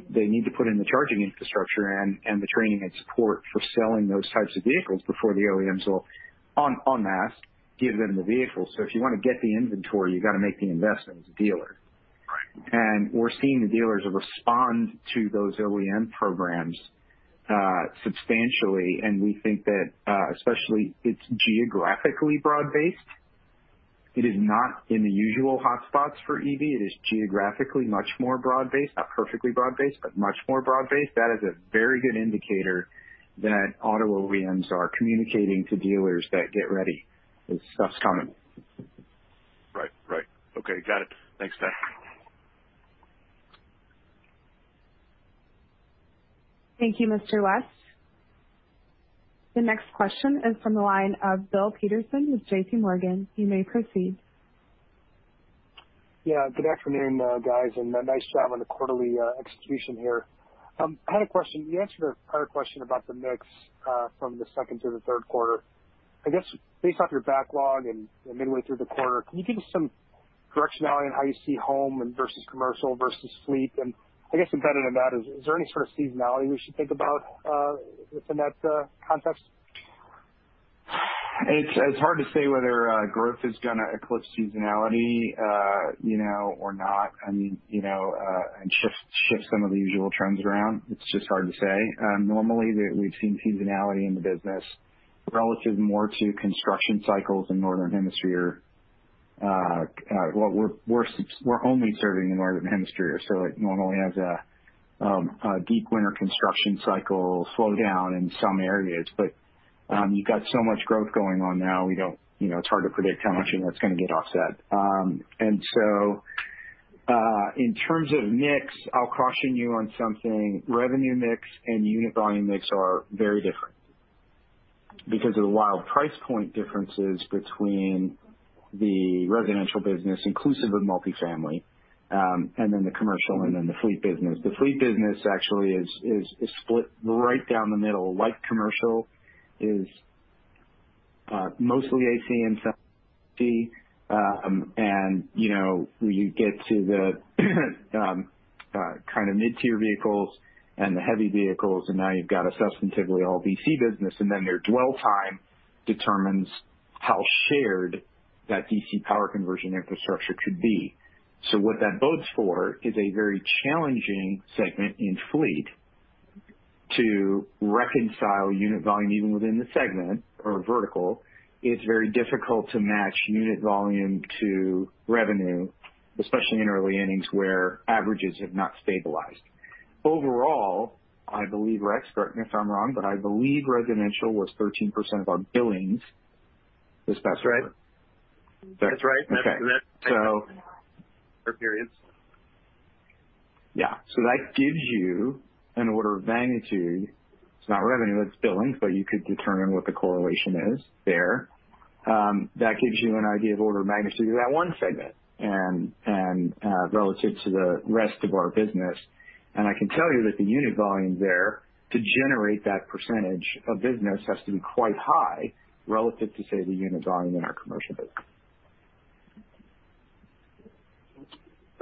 the charging infrastructure and the training and support for selling those types of vehicles before the OEMs will en masse give them the vehicles. If you wanna get the inventory, you gotta make the investment as a dealer. Right. We're seeing the dealers respond to those OEM programs substantially, and we think that especially it's geographically broad-based. It is not in the usual hotspots for EV. It is geographically much more broad-based. Not perfectly broad-based, but much more broad-based. That is a very good indicator that auto OEMs are communicating to dealers that get ready, this stuff's coming. Right. Right. Okay. Got it. Thanks, Pat. Thank you, Mr. West. The next question is from the line of Bill Peterson with JPMorgan. You may proceed. Yeah. Good afternoon, guys, and nice job on the quarterly execution here. I had a question. You answered a prior question about the mix from the second to the third quarter. I guess based off your backlog and midway through the quarter, can you give us some directionality on how you see home and versus commercial versus fleet? I guess better than that is there any sort of seasonality we should think about within that context? It's hard to say whether growth is gonna eclipse seasonality, you know, or not. I mean, you know, and shift some of the usual trends around, it's just hard to say. Normally we've seen seasonality in the business relative more to construction cycles in Northern Hemisphere. Well, we're only serving the Northern Hemisphere, so it normally has a deep winter construction cycle slowdown in some areas. You've got so much growth going on now, we don't, you know, it's hard to predict how much of that's gonna get offset. In terms of mix, I'll caution you on something. Revenue mix and unit volume mix are very different because of the wild price point differences between the residential business, inclusive of multifamily, and then the commercial and then the fleet business. The fleet business actually is split right down the middle. Light commercial is mostly AC and some DC. You know, you get to the kinda mid-tier vehicles and the heavy vehicles, and now you've got a substantively all DC business, and then their dwell time determines how shared that DC power conversion infrastructure could be. What that bodes for is a very challenging segment in fleet to reconcile unit volume even within the segment or vertical. It's very difficult to match unit volume to revenue, especially in early innings where averages have not stabilized. Overall, I believe Rex, correct me if I'm wrong, but I believe residential was 13% of our billings this past quarter. That's right. Okay. That's right. So- For periods. Yeah. That gives you an order of magnitude. It's not revenue, it's billings, but you could determine what the correlation is there. That gives you an idea of order of magnitude of that one segment and relative to the rest of our business. I can tell you that the unit volume there to generate that percentage of business has to be quite high relative to, say, the unit volume in our commercial business.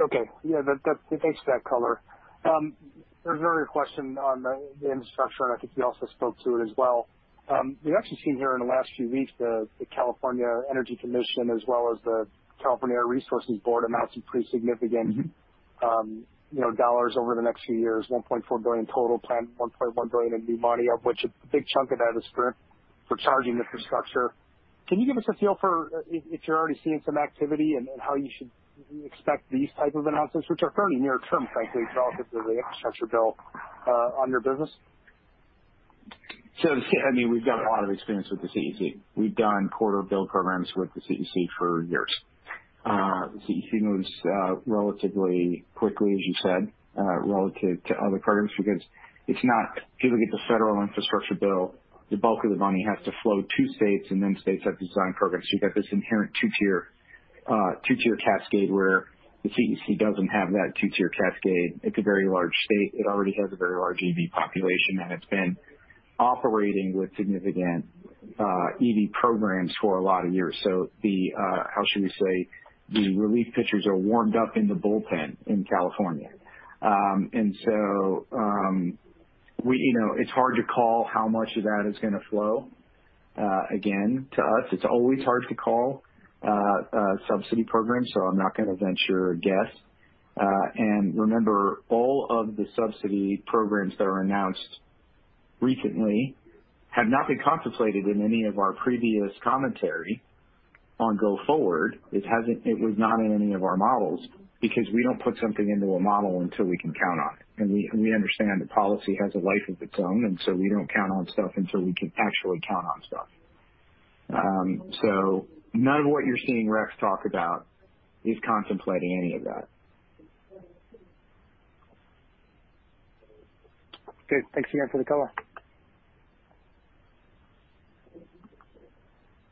Okay. Yeah, that thanks for that color. There was another question on the infrastructure, and I think you also spoke to it as well. We've actually seen here in the last few weeks the California Energy Commission, as well as the California Air Resources Board, announce some pretty significant. Mm-hmm. You know, dollars over the next few years, $1.4 billion total plan, $1.1 billion in new money, of which a big chunk of that is for charging infrastructure. Can you give us a feel for if you're already seeing some activity and how you should expect these type of announcements, which are fairly near-term, frankly, relative to the infrastructure bill, on your business? I mean, we've got a lot of experience with the CEC. We've done quarter billion programs with the CEC for years. The CEC moves relatively quickly, as you said, relative to other programs because it's not. If you look at the federal infrastructure bill, the bulk of the money has to flow to states and then states have to design programs. You've got this inherent two-tier cascade where the CEC doesn't have that two-tier cascade. It's a very large state. It already has a very large EV population, and it's been operating with significant EV programs for a lot of years. How should we say? The relief pitchers are warmed up in the bullpen in California. We, you know, it's hard to call how much of that is gonna flow again to us. It's always hard to call, a subsidy program, so I'm not gonna venture a guess. Remember, all of the subsidy programs that were announced recently have not been contemplated in any of our previous commentary going forward. It was not in any of our models because we don't put something into a model until we can count on it. We understand that policy has a life of its own, and so we don't count on stuff until we can actually count on it. None of what you're seeing Rex talk about is contemplating any of that. Good. Thanks again for the color.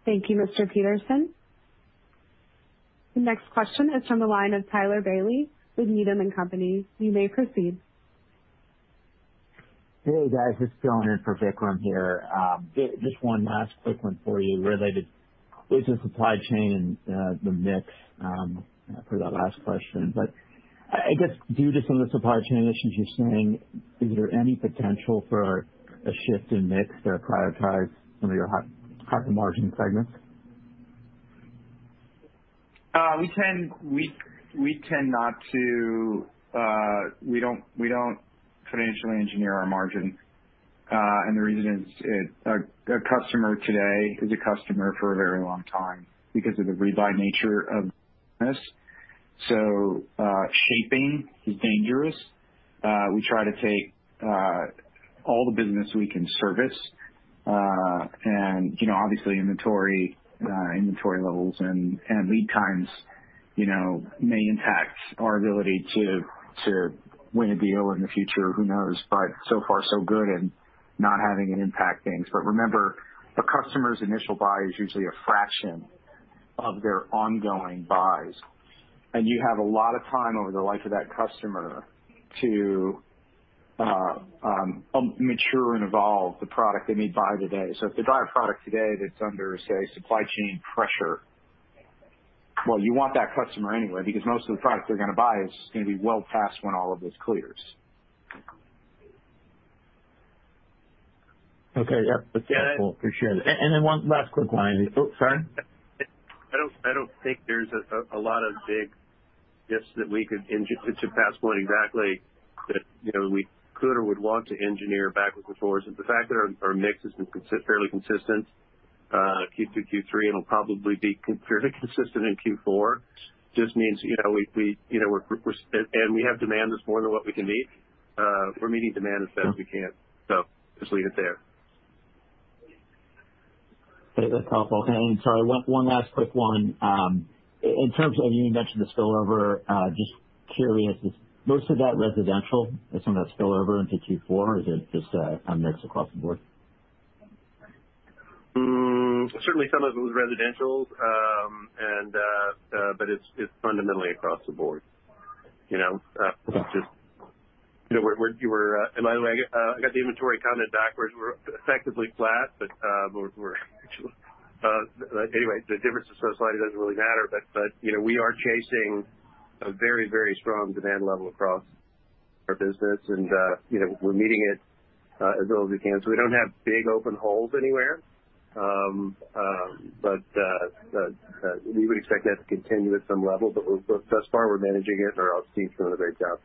Thank you, Mr. Peterson. The next question is from the line of Tyler Bailey with Needham & Company. You may proceed. Hey, guys. It's Dylan in for Vikram here. Just one last quick one for you related with the supply chain and the mix for that last question. I guess due to some of the supply chain issues you're seeing, is there any potential for a shift in mix to prioritize some of your high margin segments? We don't financially engineer our margin, and the reason is that a customer today is a customer for a very long time because of the rebuy nature of this. Shaping is dangerous. We try to take all the business we can service, and you know, obviously inventory levels and lead times, you know, may impact our ability to win a deal in the future. Who knows? So far so good and not having an impact on things. Remember, a customer's initial buy is usually a fraction of their ongoing buys, and you have a lot of time over the life of that customer to mature and evolve the product they may buy today. If they buy a product today that's under, say, supply chain pressure, well, you want that customer anyway because most of the product they're gonna buy is gonna be well past when all of this clears. Okay. Yep. That's helpful. Appreciate it. One last quick one. Oh, sorry. I don't think there's a lot of big gifts that we could, to Pat's point, exactly that, you know, we could or would want to engineer backwards or forwards. The fact that our mix has been fairly consistent, Q2, Q3, and it'll probably be fairly consistent in Q4, just means, you know, we have demand that's more than what we can meet. We're meeting demand as best we can, so just leave it there. Okay. That's helpful. Sorry, one last quick one. In terms of, you mentioned the spillover, just curious, is most of that residential? Is some of that spillover into Q4, or is it just, a mix across the board? Certainly some of it was residential. It's fundamentally across the board. You know, just, you know, we're. By the way, I got the inventory comment backwards. We're effectively flat, anyway, the difference is so slight it doesn't really matter. You know, we are chasing a very, very strong demand level across our business and, you know, we're meeting it as well as we can. We don't have big open holes anywhere. We would expect that to continue at some level, but thus far we're managing it or else Steve's doing a great job.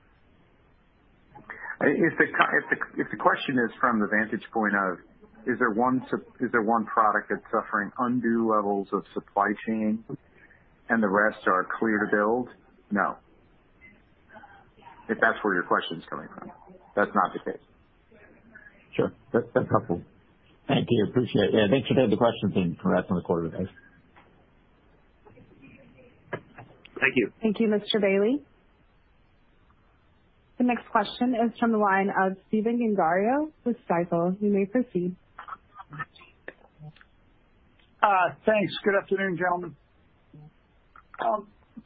If the question is from the vantage point of is there one product that's suffering undue levels of supply chain and the rest are clear to build? No. If that's where your question's coming from, that's not the case. Sure. That's helpful. Thank you. Appreciate it. Yeah, thanks for taking the questions and congrats on the quarter, guys. Thank you. Thank you, Mr. Bailey. The next question is from the line of Stephen Gengaro with Stifel. You may proceed. Thanks. Good afternoon, gentlemen.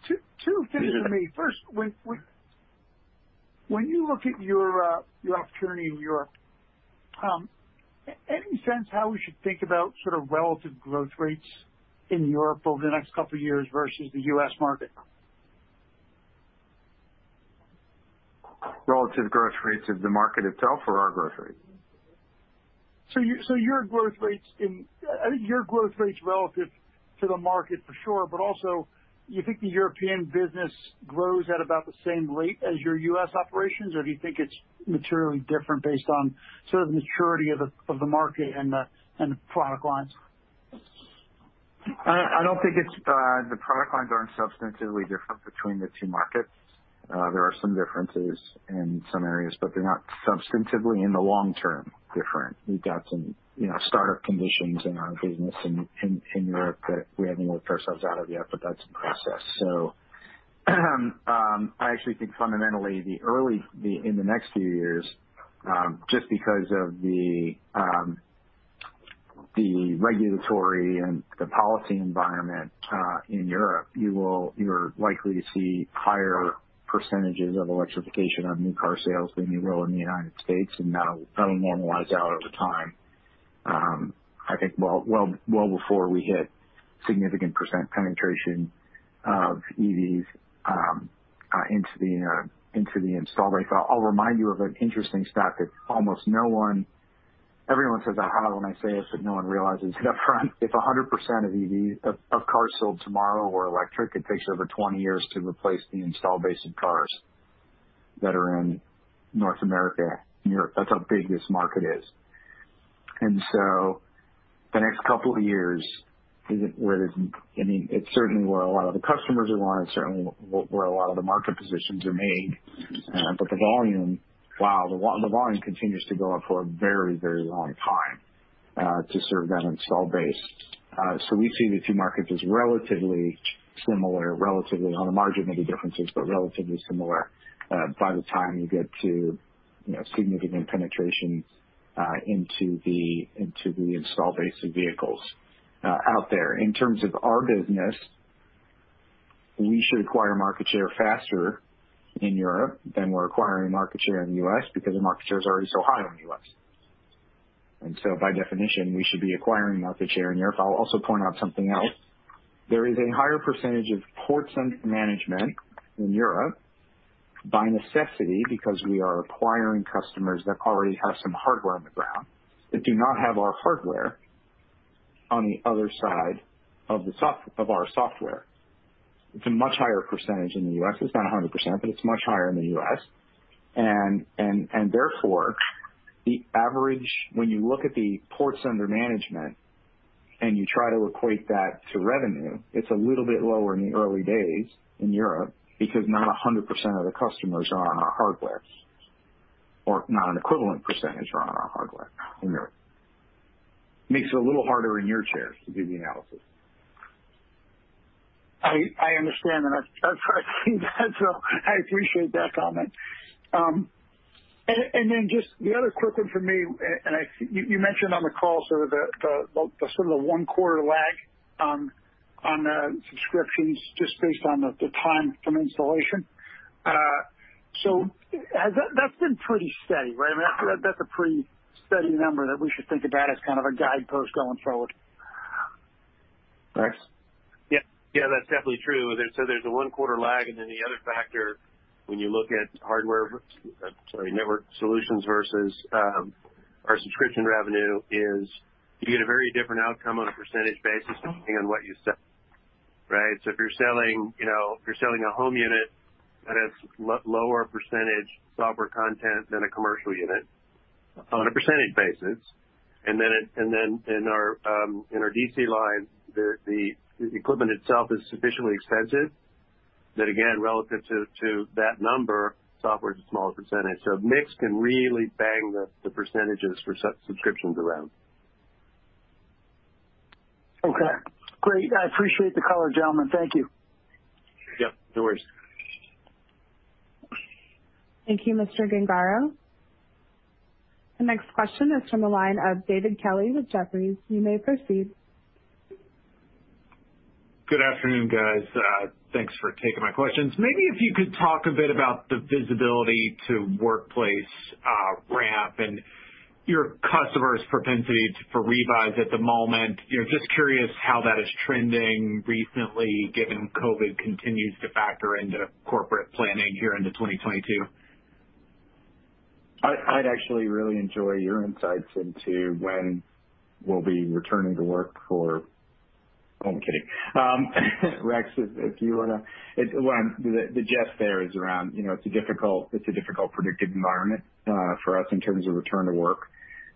Two things from me. First, when you look at your opportunity in Europe, any sense how we should think about sort of relative growth rates in Europe over the next couple of years versus the U.S. market? Relative growth rates of the market itself or our growth rates? Your growth rates relative to the market for sure, but also you think the European business grows at about the same rate as your U.S. operations, or do you think it's materially different based on sort of the maturity of the market and the product lines? I don't think it's the product lines aren't substantively different between the two markets. There are some differences in some areas, but they're not substantively in the long term different. We've got some, you know, startup conditions in our business in Europe that we haven't worked ourselves out of yet, but that's in process. I actually think fundamentally in the next few years, just because of the regulatory and the policy environment in Europe, you're likely to see higher percentages of electrification of new car sales than you will in the United States, and that'll normalize out over time. I think well before we hit significant percent penetration of EVs into the install base. I'll remind you of an interesting stat that almost no one. Everyone says, "Aha," when I say this, but no one realizes it up front. If 100% of cars sold tomorrow were electric, it takes over 20 years to replace the installed base of cars that are in North America and Europe. That's how big this market is. The next couple of years is where there's, I mean, it's certainly where a lot of the customers are won. It's certainly where a lot of the market positions are made. But the volume, wow, the volume continues to grow up for a very, very long time, to serve that installed base. So we see the two markets as relatively similar, relatively on the margin, maybe differences, but relatively similar, by the time you get to, you know, significant penetration, into the installed base of vehicles, out there. In terms of our business, we should acquire market share faster in Europe than we're acquiring market share in the U.S. because the market share is already so high in the U.S. By definition, we should be acquiring market share in Europe. I'll also point out something else. There is a higher percentage of ports under management in Europe by necessity, because we are acquiring customers that already have some hardware on the ground that do not have our hardware on the other side of our software. It's a much higher percentage in the U.S. It's not 100%, but it's much higher in the U.S. Therefore, the average, when you look at the ports under management and you try to equate that to revenue, it's a little bit lower in the early days in Europe because not 100% of the customers are on our hardware, or not an equivalent percentage are on our hardware in Europe. Makes it a little harder for you analysts to do the analysis. I understand and I've seen that, so I appreciate that comment. Just the other quick one for me, I see you mentioned on the call sort of the one quarter lag on the subscriptions just based on the time from installation. Has that been pretty steady, right? I mean, that's a pretty steady number that we should think about as kind of a guidepost going forward. Rex? Yeah, yeah, that's definitely true. There's a 1 quarter lag, and then the other factor when you look at network solutions versus our subscription revenue is you get a very different outcome on a percentage basis depending on what you sell, right? If you're selling, you know, a home unit that has lower percentage software content than a commercial unit on a percentage basis. In our DC line the equipment itself is sufficiently expensive that again, relative to that number, software is a smaller percentage. Mix can really bang the percentages for subscriptions around. Okay, great. I appreciate the color, gentlemen. Thank you. Yep, no worries. Thank you, Mr. Gengaro. The next question is from the line of David Kelley with Jefferies. You may proceed. Good afternoon, guys. Thanks for taking my questions. Maybe if you could talk a bit about the visibility to workplace ramp and your customers' propensity to revise at the moment. You know, just curious how that is trending recently, given COVID continues to factor into corporate planning here into 2022. I'd actually really enjoy your insights into when we'll be returning to work for. Oh, I'm kidding. Rex, if you wanna. Well, the jest there is around, you know, it's a difficult predict environment for us in terms of return to work.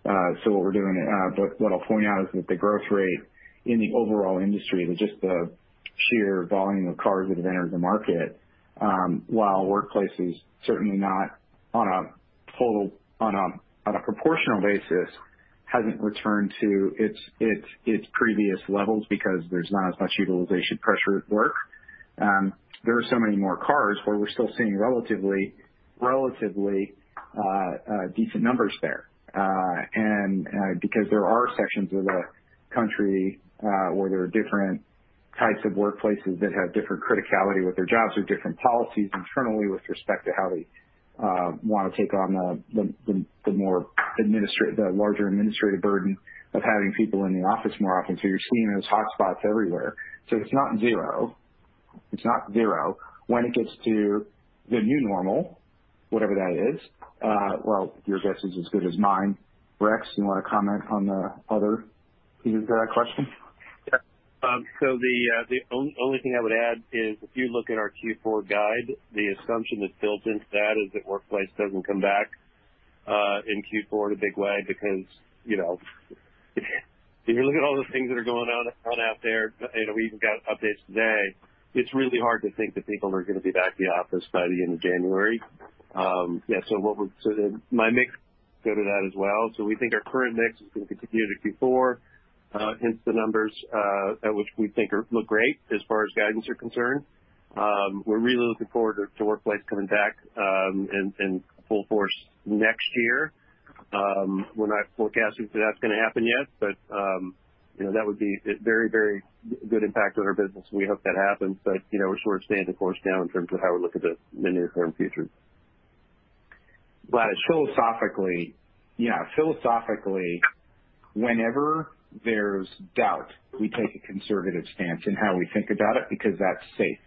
What we're doing, but what I'll point out is that the growth rate in the overall industry with just the sheer volume of cars that have entered the market, while workplace is certainly not on a proportional basis, hasn't returned to its previous levels because there's not as much utilization pressure at work. There are so many more cars where we're still seeing relatively decent numbers there. Because there are sections of the country where there are different types of workplaces that have different criticality with their jobs or different policies internally with respect to how they wanna take on the larger administrative burden of having people in the office more often. You're seeing those hotspots everywhere. It's not zero. When it gets to the new normal, whatever that is, well, your guess is as good as mine. Rex, you wanna comment on the other piece of that question? Yeah. So the only thing I would add is if you look at our Q4 guide, the assumption that's built into that is that workplace doesn't come back in Q4 in a big way because, you know, if you look at all the things that are going on out there, you know, we even got updates today. It's really hard to think that people are gonna be back in the office by the end of January. So what we're doing goes to that as well. So we think our current mix is gonna continue to Q4, hence the numbers at which we think look great as far as guidance is concerned. We're really looking forward to workplace coming back in full force next year. We're not forecasting that that's gonna happen yet, but you know, that would be a very, very good impact on our business, and we hope that happens. You know, we're sort of staying the course now in terms of how we look at the near term future. Philosophically, yeah, philosophically, whenever there's doubt, we take a conservative stance in how we think about it because that's safe.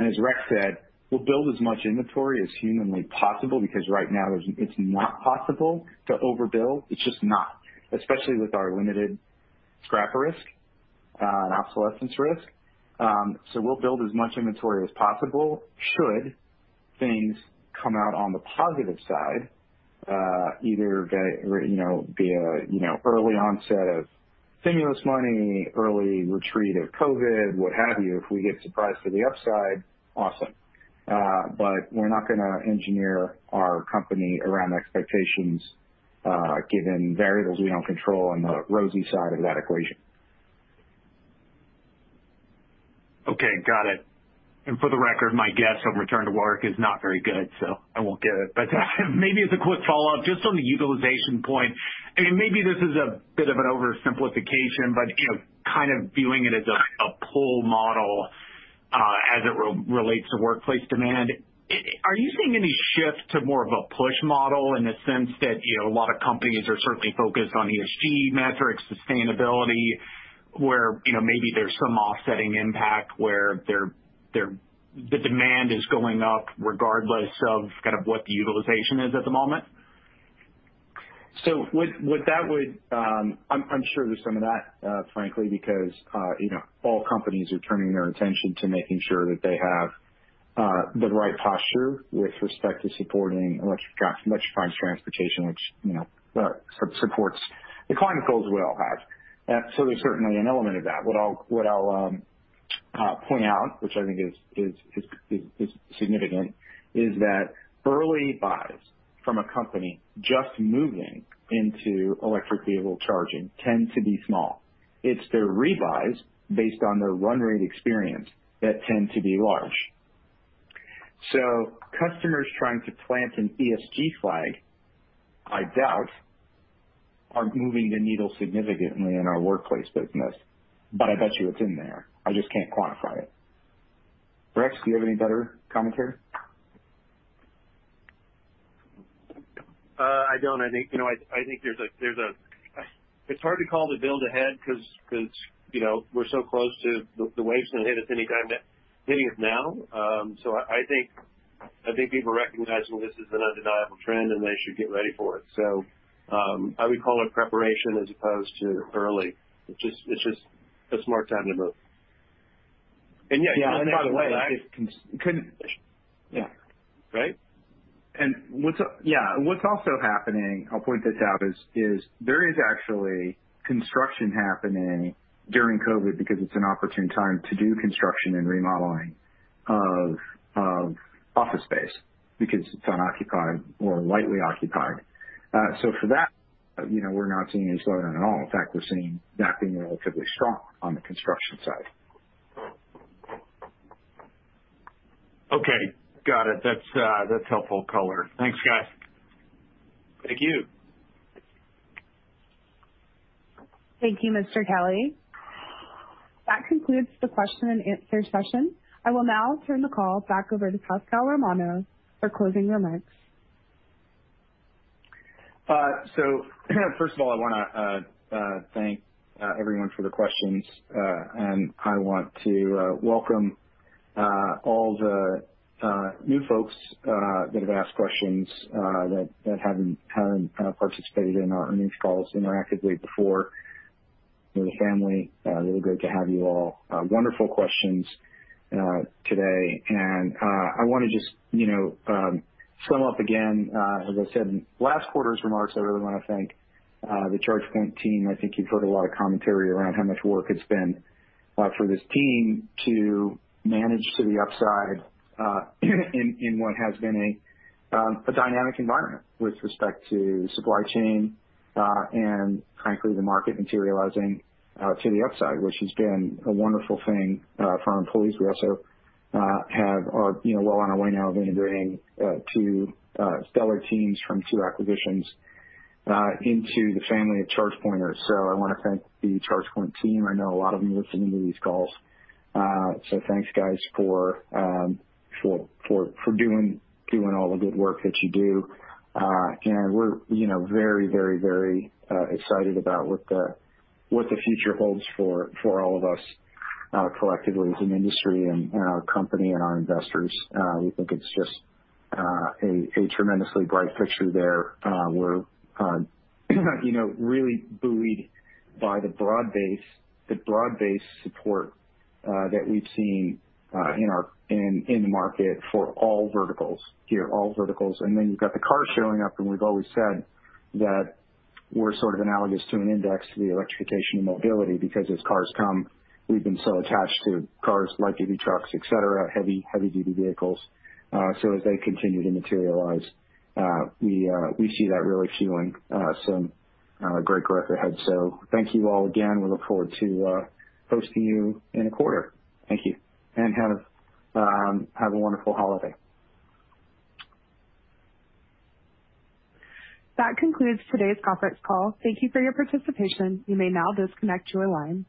As Rex said, we'll build as much inventory as humanly possible because right now it's not possible to overbuild. It's just not, especially with our limited scrap risk and obsolescence risk. So we'll build as much inventory as possible should things come out on the positive side, or, you know, be a, you know, early onset of stimulus money, early retreat of COVID, what have you. If we get surprised to the upside, awesome. We're not gonna engineer our company around expectations given variables we don't control on the rosy side of that equation. Okay, got it. For the record, my guess on return to work is not very good, so I won't get it. Maybe as a quick follow-up, just on the utilization point, and maybe this is a bit of an oversimplification, but, you know, kind of viewing it as a pull model, as it relates to workplace demand. Are you seeing any shift to more of a push model in the sense that, you know, a lot of companies are certainly focused on ESG metrics, sustainability, where, you know, maybe there's some offsetting impact where their the demand is going up regardless of kind of what the utilization is at the moment? I'm sure there's some of that, frankly, because you know, all companies are turning their attention to making sure that they have the right posture with respect to supporting electrified transportation, which you know, supports the climate goals we all have. There's certainly an element of that. What I'll point out, which I think is significant, is that early buys from a company just moving into electric vehicle charging tend to be small. It's their revisions based on their run rate experience that tend to be large. Customers trying to plant an ESG flag, I doubt, are moving the needle significantly in our workplace business. I bet you it's in there. I just can't quantify it. Rex, do you have any better commentary? I don't. I think, you know, it's hard to call the build ahead 'cause, you know, we're so close to the wave's gonna hit us any time now, hitting us now. I think people recognize, well, this is an undeniable trend, and they should get ready for it. I would call it preparation as opposed to early. It's just a smart time to move. Yeah. Yeah. By the way, yeah. Right? What's also happening, I'll point this out, is there actually construction happening during COVID because it's an opportune time to do construction and remodeling of office space because it's unoccupied or lightly occupied. For that, you know, we're not seeing a slowdown at all. In fact, we're seeing that being relatively strong on the construction side. Okay. Got it. That's helpful color. Thanks, guys. Thank you. Thank you, Mr. Kelley. That concludes the question and answer session. I will now turn the call back over to Pasquale Romano for closing remarks. First of all, I wanna thank everyone for the questions. I want to welcome all the new folks that have asked questions that haven't participated in our earnings calls interactively before. You're the family. Really great to have you all. Wonderful questions today. I wanna just, you know, sum up again, as I said in last quarter's remarks, I really wanna thank the Charge Point team. I think you've heard a lot of commentary around how much work it's been for this team to manage to the upside in what has been a dynamic environment with respect to supply chain and frankly, the market materializing to the upside, which has been a wonderful thing for our employees. We also are, you know, well on our way now of integrating two stellar teams from two acquisitions into the family of ChargePointers. I wanna thank the ChargePoint team. I know a lot of them are listening to these calls. so thanks, guys, for doing all the good work that you do. We're, you know, very excited about what the future holds for all of us collectively as an industry and our company and our investors. We think it's just a tremendously bright picture there. We're, you know, really buoyed by the broad-based support that we've seen in the market for all verticals. Then you've got the cars showing up, and we've always said that we're sort of analogous to an index, the electrification and mobility, because as cars come, we've been so attached to cars, light-duty trucks, et cetera, heavy-duty vehicles. As they continue to materialize, we see that really fueling some great growth ahead. Thank you all again. We look forward to hosting you in a quarter. Thank you, and have a wonderful holiday. That concludes today's conference call. Thank you for your participation. You may now disconnect your line.